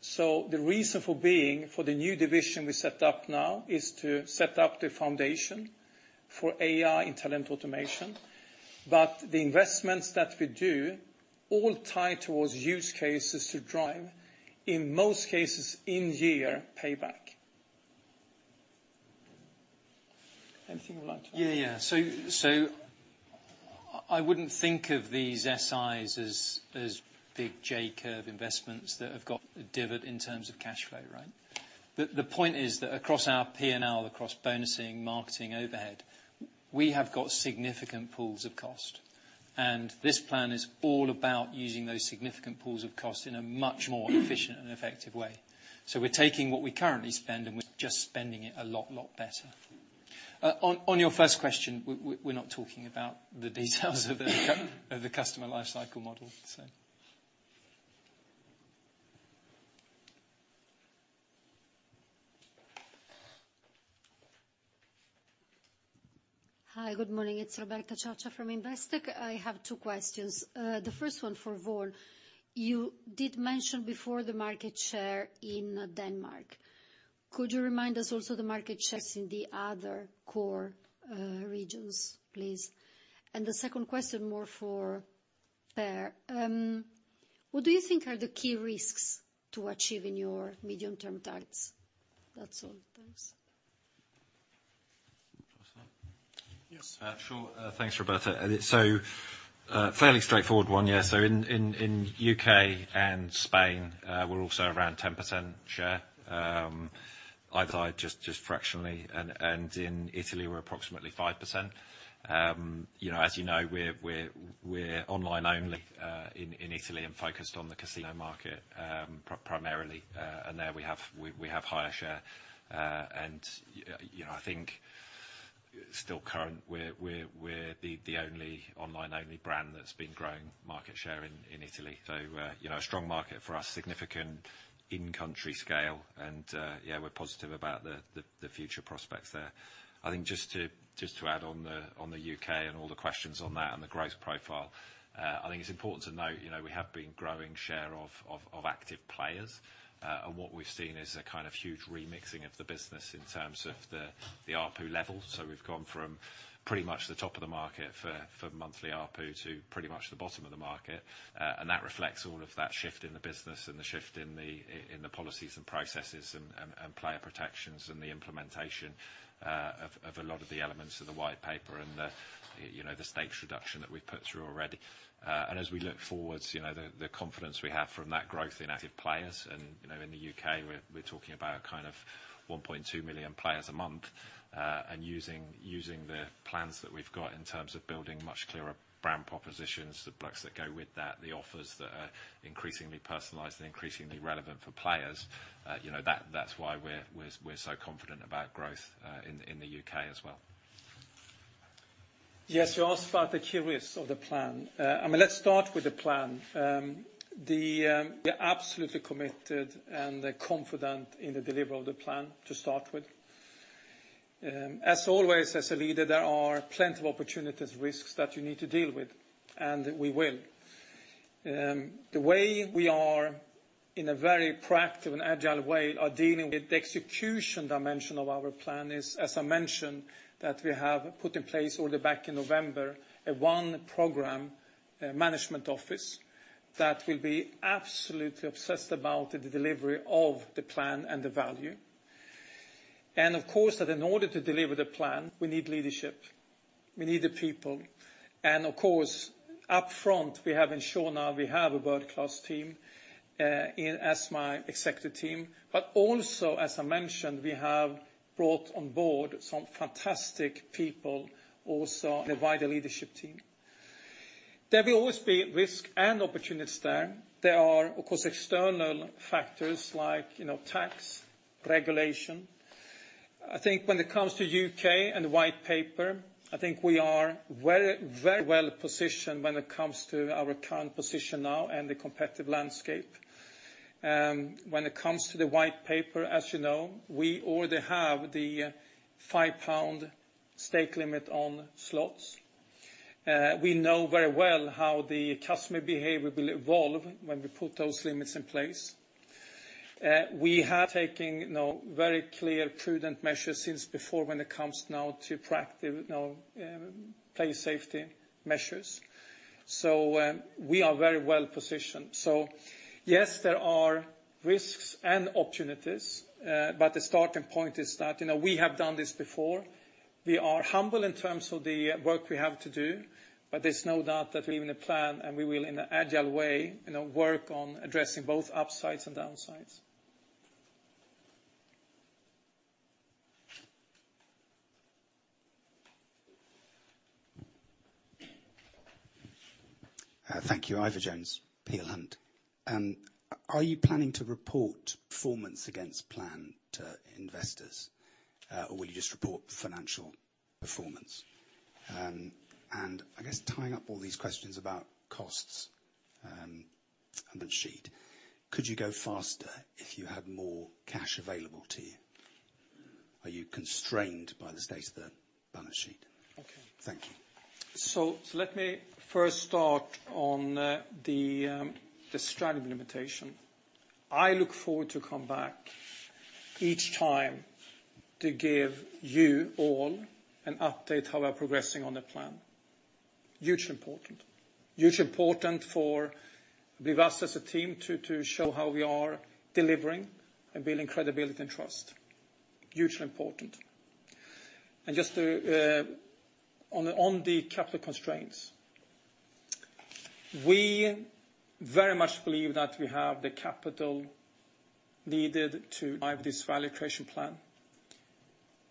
So the reason for being for the new division we set up now is to set up the foundation for AI and talent automation. But the investments that we do all tie towards use cases to drive, in most cases, in-year payback. Anything you would like to add? Yeah, yeah. So I wouldn't think of these SIs as big J-curve investments that have got a dividend in terms of cash flow, right? But the point is that across our P&L, across bonusing, marketing overhead, we have got significant pools of cost. And this plan is all about using those significant pools of cost in a much more efficient and effective way. So we're taking what we currently spend, and we're just spending it a lot, lot better. On your first question, we're not talking about the details of the customer lifecycle model, so. Hi. Good morning. It's Roberta Ciocia from Investec. I have two questions. The first one for Vaughan. You did mention before the market share in Denmark. Could you remind us also the market shares in the other core regions, please? And the second question, more for Per. What do you think are the key risks to achieving your medium-term targets? That's all. Thanks. Yes? Sure. Thanks, Roberta. So fairly straightforward one, yes. So in the UK and Spain, we're also around 10% share, either side just fractionally. And in Italy, we're approximately 5%. As you know, we're online only in Italy and focused on the casino market primarily. There, we have higher share. I think, still current, we're the only online-only brand that's been growing market share in Italy. So a strong market for us, significant in-country scale. Yeah, we're positive about the future prospects there. I think just to add on the UK and all the questions on that and the growth profile, I think it's important to note we have been growing share of active players. What we've seen is a kind of huge remixing of the business in terms of the RPU level. So we've gone from pretty much the top of the market for monthly RPU to pretty much the bottom of the market. That reflects all of that shift in the business and the shift in the policies and processes and player protections and the implementation of a lot of the elements of the white paper and the stakes reduction that we've put through already. As we look forward, the confidence we have from that growth in active players and in the UK, we're talking about kind of 1.2 million players a month. Using the plans that we've got in terms of building much clearer brand propositions, the pluses that go with that, the offers that are increasingly personalized and increasingly relevant for players, that's why we're so confident about growth in the UK as well. Yes. You asked about the key risks of the plan. I mean, let's start with the plan. We are absolutely committed and confident in the delivery of the plan to start with. As always, as a leader, there are plenty of opportunities and risks that you need to deal with. And we will. The way we are, in a very proactive and agile way, dealing with the execution dimension of our plan is, as I mentioned, that we have put in place already back in November a one-program management office that will be absolutely obsessed about the delivery of the plan and the value. And of course, that in order to deliver the plan, we need leadership. We need the people. And of course, upfront, we have ensured now we have a world-class team as my executive team. But also, as I mentioned, we have brought onboard some fantastic people also in the wider leadership team. There will always be risks and opportunities there. There are, of course, external factors like tax, regulation. I think when it comes to the UK and the white paper, I think we are very well positioned when it comes to our current position now and the competitive landscape. When it comes to the white paper, as you know, we already have the 5 pound stake limit on slots. We know very well how the customer behavior will evolve when we put those limits in place. We have taken very clear, prudent measures since before when it comes now to player safety measures. So we are very well positioned. So yes, there are risks and opportunities. But the starting point is that we have done this before. We are humble in terms of the work we have to do. But there's no doubt that. In the plan, and we will, in an agile way, work on addressing both upsides and downsides. Thank you. Ivor Jones, Peel Hunt. Are you planning to report performance against plan to investors, or will you just report financial performance? And I guess tying up all these questions about costs and balance sheet, could you go faster if you had more cash available to you? Are you constrained by the state of the balance sheet? Okay. Thank you. So let me first start on the strategy limitation. I look forward to coming back each time to give you all an update on how we are progressing on the plan. Hugely important. Hugely important for us as a team to show how we are delivering and building credibility and trust. Hugely important. And just on the capital constraints, we very much believe that we have the capital needed to drive this value creation plan.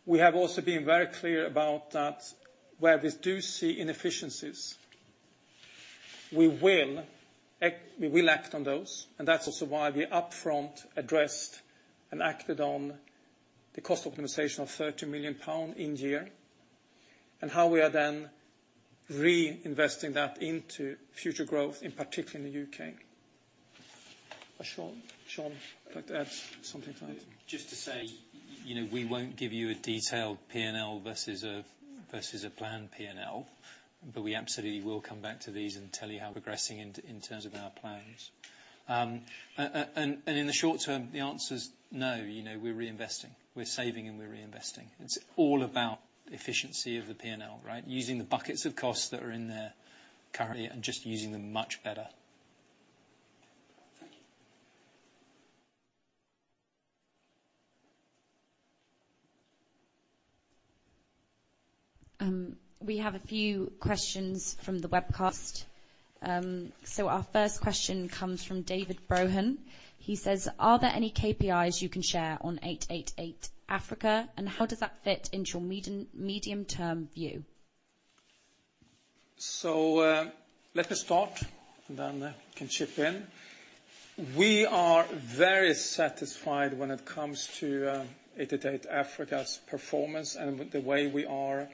We have also been very clear about that where we do see inefficiencies, we will act on those. That's also why we upfront addressed and acted on the cost optimization of 30 million pounds in year and how we are then reinvesting that into future growth, in particular in the UK. Sean, would you like to add something to that? Just to say, we won't give you a detailed P&L versus a planned P&L. But we absolutely will come back to these and tell you how we're progressing in terms of our plans. And in the short term, the answer is no. We're reinvesting. We're saving, and we're reinvesting. It's all about efficiency of the P&L, right? Using the buckets of costs that are in there currently and just using them much better. Thank you. We have a few questions from the webcast. So our first question comes from David Brohan. He says, "Are there any KPIs you can share on 888 Africa? And how does that fit into your medium-term view?" So let me start, and then we can chip in. We are very satisfied when it comes to 888 Africa's performance and the way we are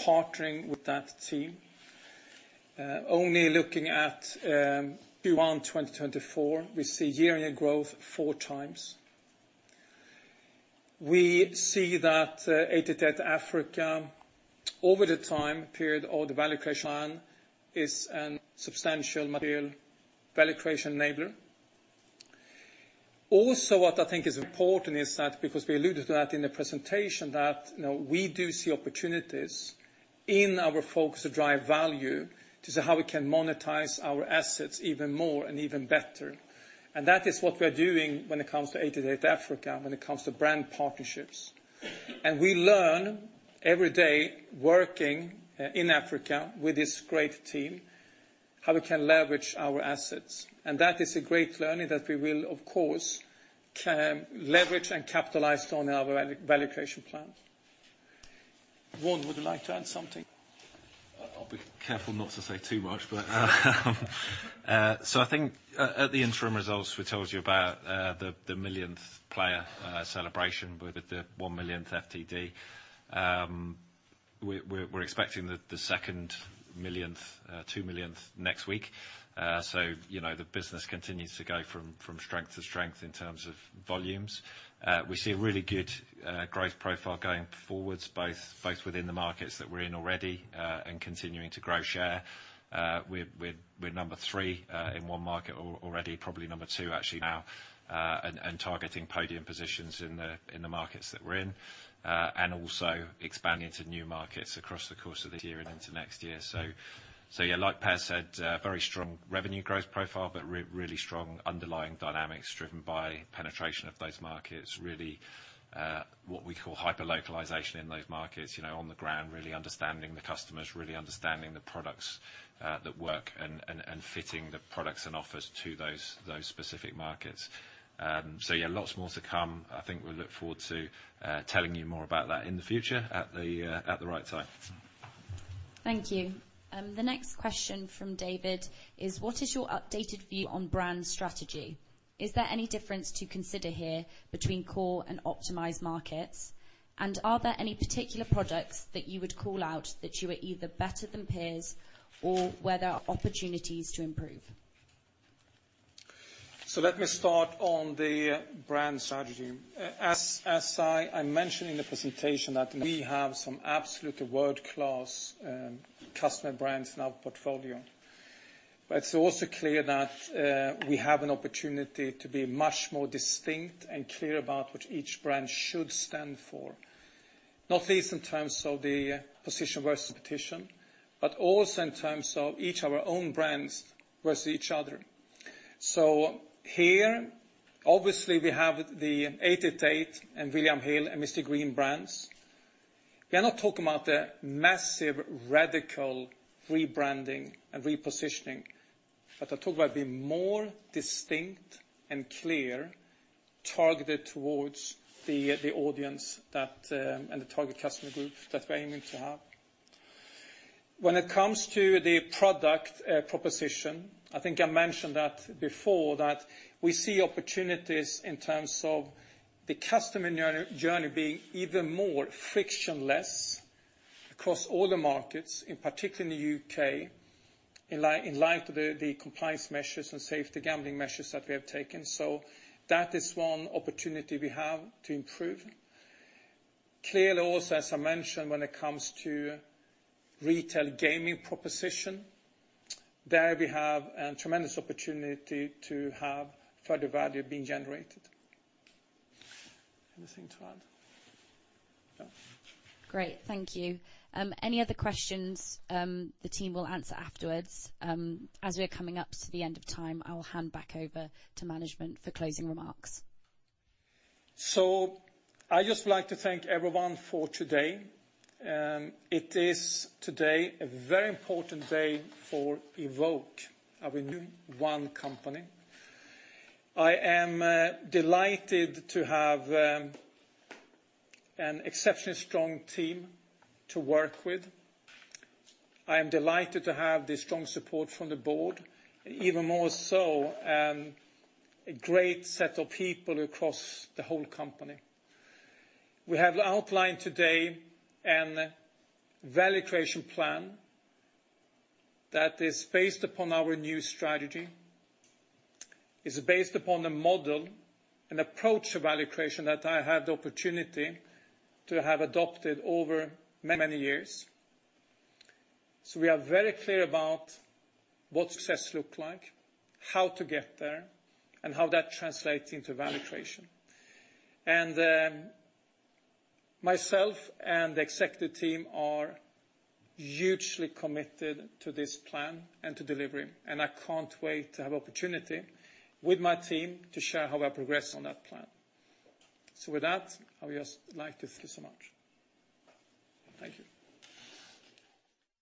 partnering with that team. Only looking at Q1 2024, we see year-on-year growth 4 times. We see that 888 Africa, over the time period, or the value creation plan, is a substantial material value creation enabler. Also, what I think is important is that, because we alluded to that in the presentation, that we do see opportunities in our focus to drive value to see how we can monetize our assets even more and even better. And that is what we are doing when it comes to 888 Africa, when it comes to brand partnerships. And we learn every day working in Africa with this great team how we can leverage our assets. That is a great learning that we will, of course, leverage and capitalize on in our value creation plan. Vaughan, would you like to add something? I'll be careful not to say too much, but. So I think at the interim results, we told you about the 1 millionth player celebration with the 1-millionth FTD. We're expecting the 2 millionth next week. So the business continues to go from strength to strength in terms of volumes. We see a really good growth profile going forward, both within the markets that we're in already and continuing to grow share. We're number 3 in one market already, probably number 2, actually, now, and targeting podium positions in the markets that we're in and also expanding into new markets across the course of this year and into next year. So yeah, like Per said, very strong revenue growth profile but really strong underlying dynamics driven by penetration of those markets, really what we call hyper-localisation in those markets, on the ground really understanding the customers, really understanding the products that work, and fitting the products and offers to those specific markets. So yeah, lots more to come. I think we look forward to telling you more about that in the future at the right time. Thank you. The next question from David is, "What is your updated view on brand strategy? Is there any difference to consider here between core and optimized markets? And are there any particular products that you would call out that you are either better than peers or where there are opportunities to improve?" So let me start on the brand strategy. As I mentioned in the presentation that. We have some absolutely world-class customer brands in our portfolio. But it's also clear that we have an opportunity to be much more distinct and clear about what each brand should stand for, not least in terms of the position versus competition, but also in terms of each of our own brands versus each other. So here, obviously, we have the 888 and William Hill and Mr Green brands. We are not talking about the massive, radical rebranding and repositioning, but I'm talking about being more distinct and clear, targeted towards the audience and the target customer group that we're aiming to have. When it comes to the product proposition, I think I mentioned that before, that we see opportunities in terms of the customer journey being even more frictionless across all the markets, in particular in the UK, in light of the compliance measures and safer gambling measures that we have taken. So that is one opportunity we have to improve. Clearly also, as I mentioned, when it comes to retail gaming proposition, there we have a tremendous opportunity to have further value being generated. Anything to add? No. Great. Thank you. Any other questions? The team will answer afterwards. As we are coming up to the end of time, I will hand back over to management for closing remarks. So I just would like to thank everyone for today. It is today a very important day for Evoke, our new one company. I am delighted to have an exceptionally strong team to work with. I am delighted to have the strong support from the board and even more so a great set of people across the whole company. We have outlined today a value creation plan that is based upon our new strategy. It's based upon a model, an approach to value creation that I had the opportunity to have adopted over many, many years. So we are very clear about what success looks like, how to get there, and how that translates into value creation. And myself and the executive team are hugely committed to this plan and to delivery. And I can't wait to have an opportunity with my team to share how we are progressing on that plan. So with that, I would just like to thank you so much. Thank you.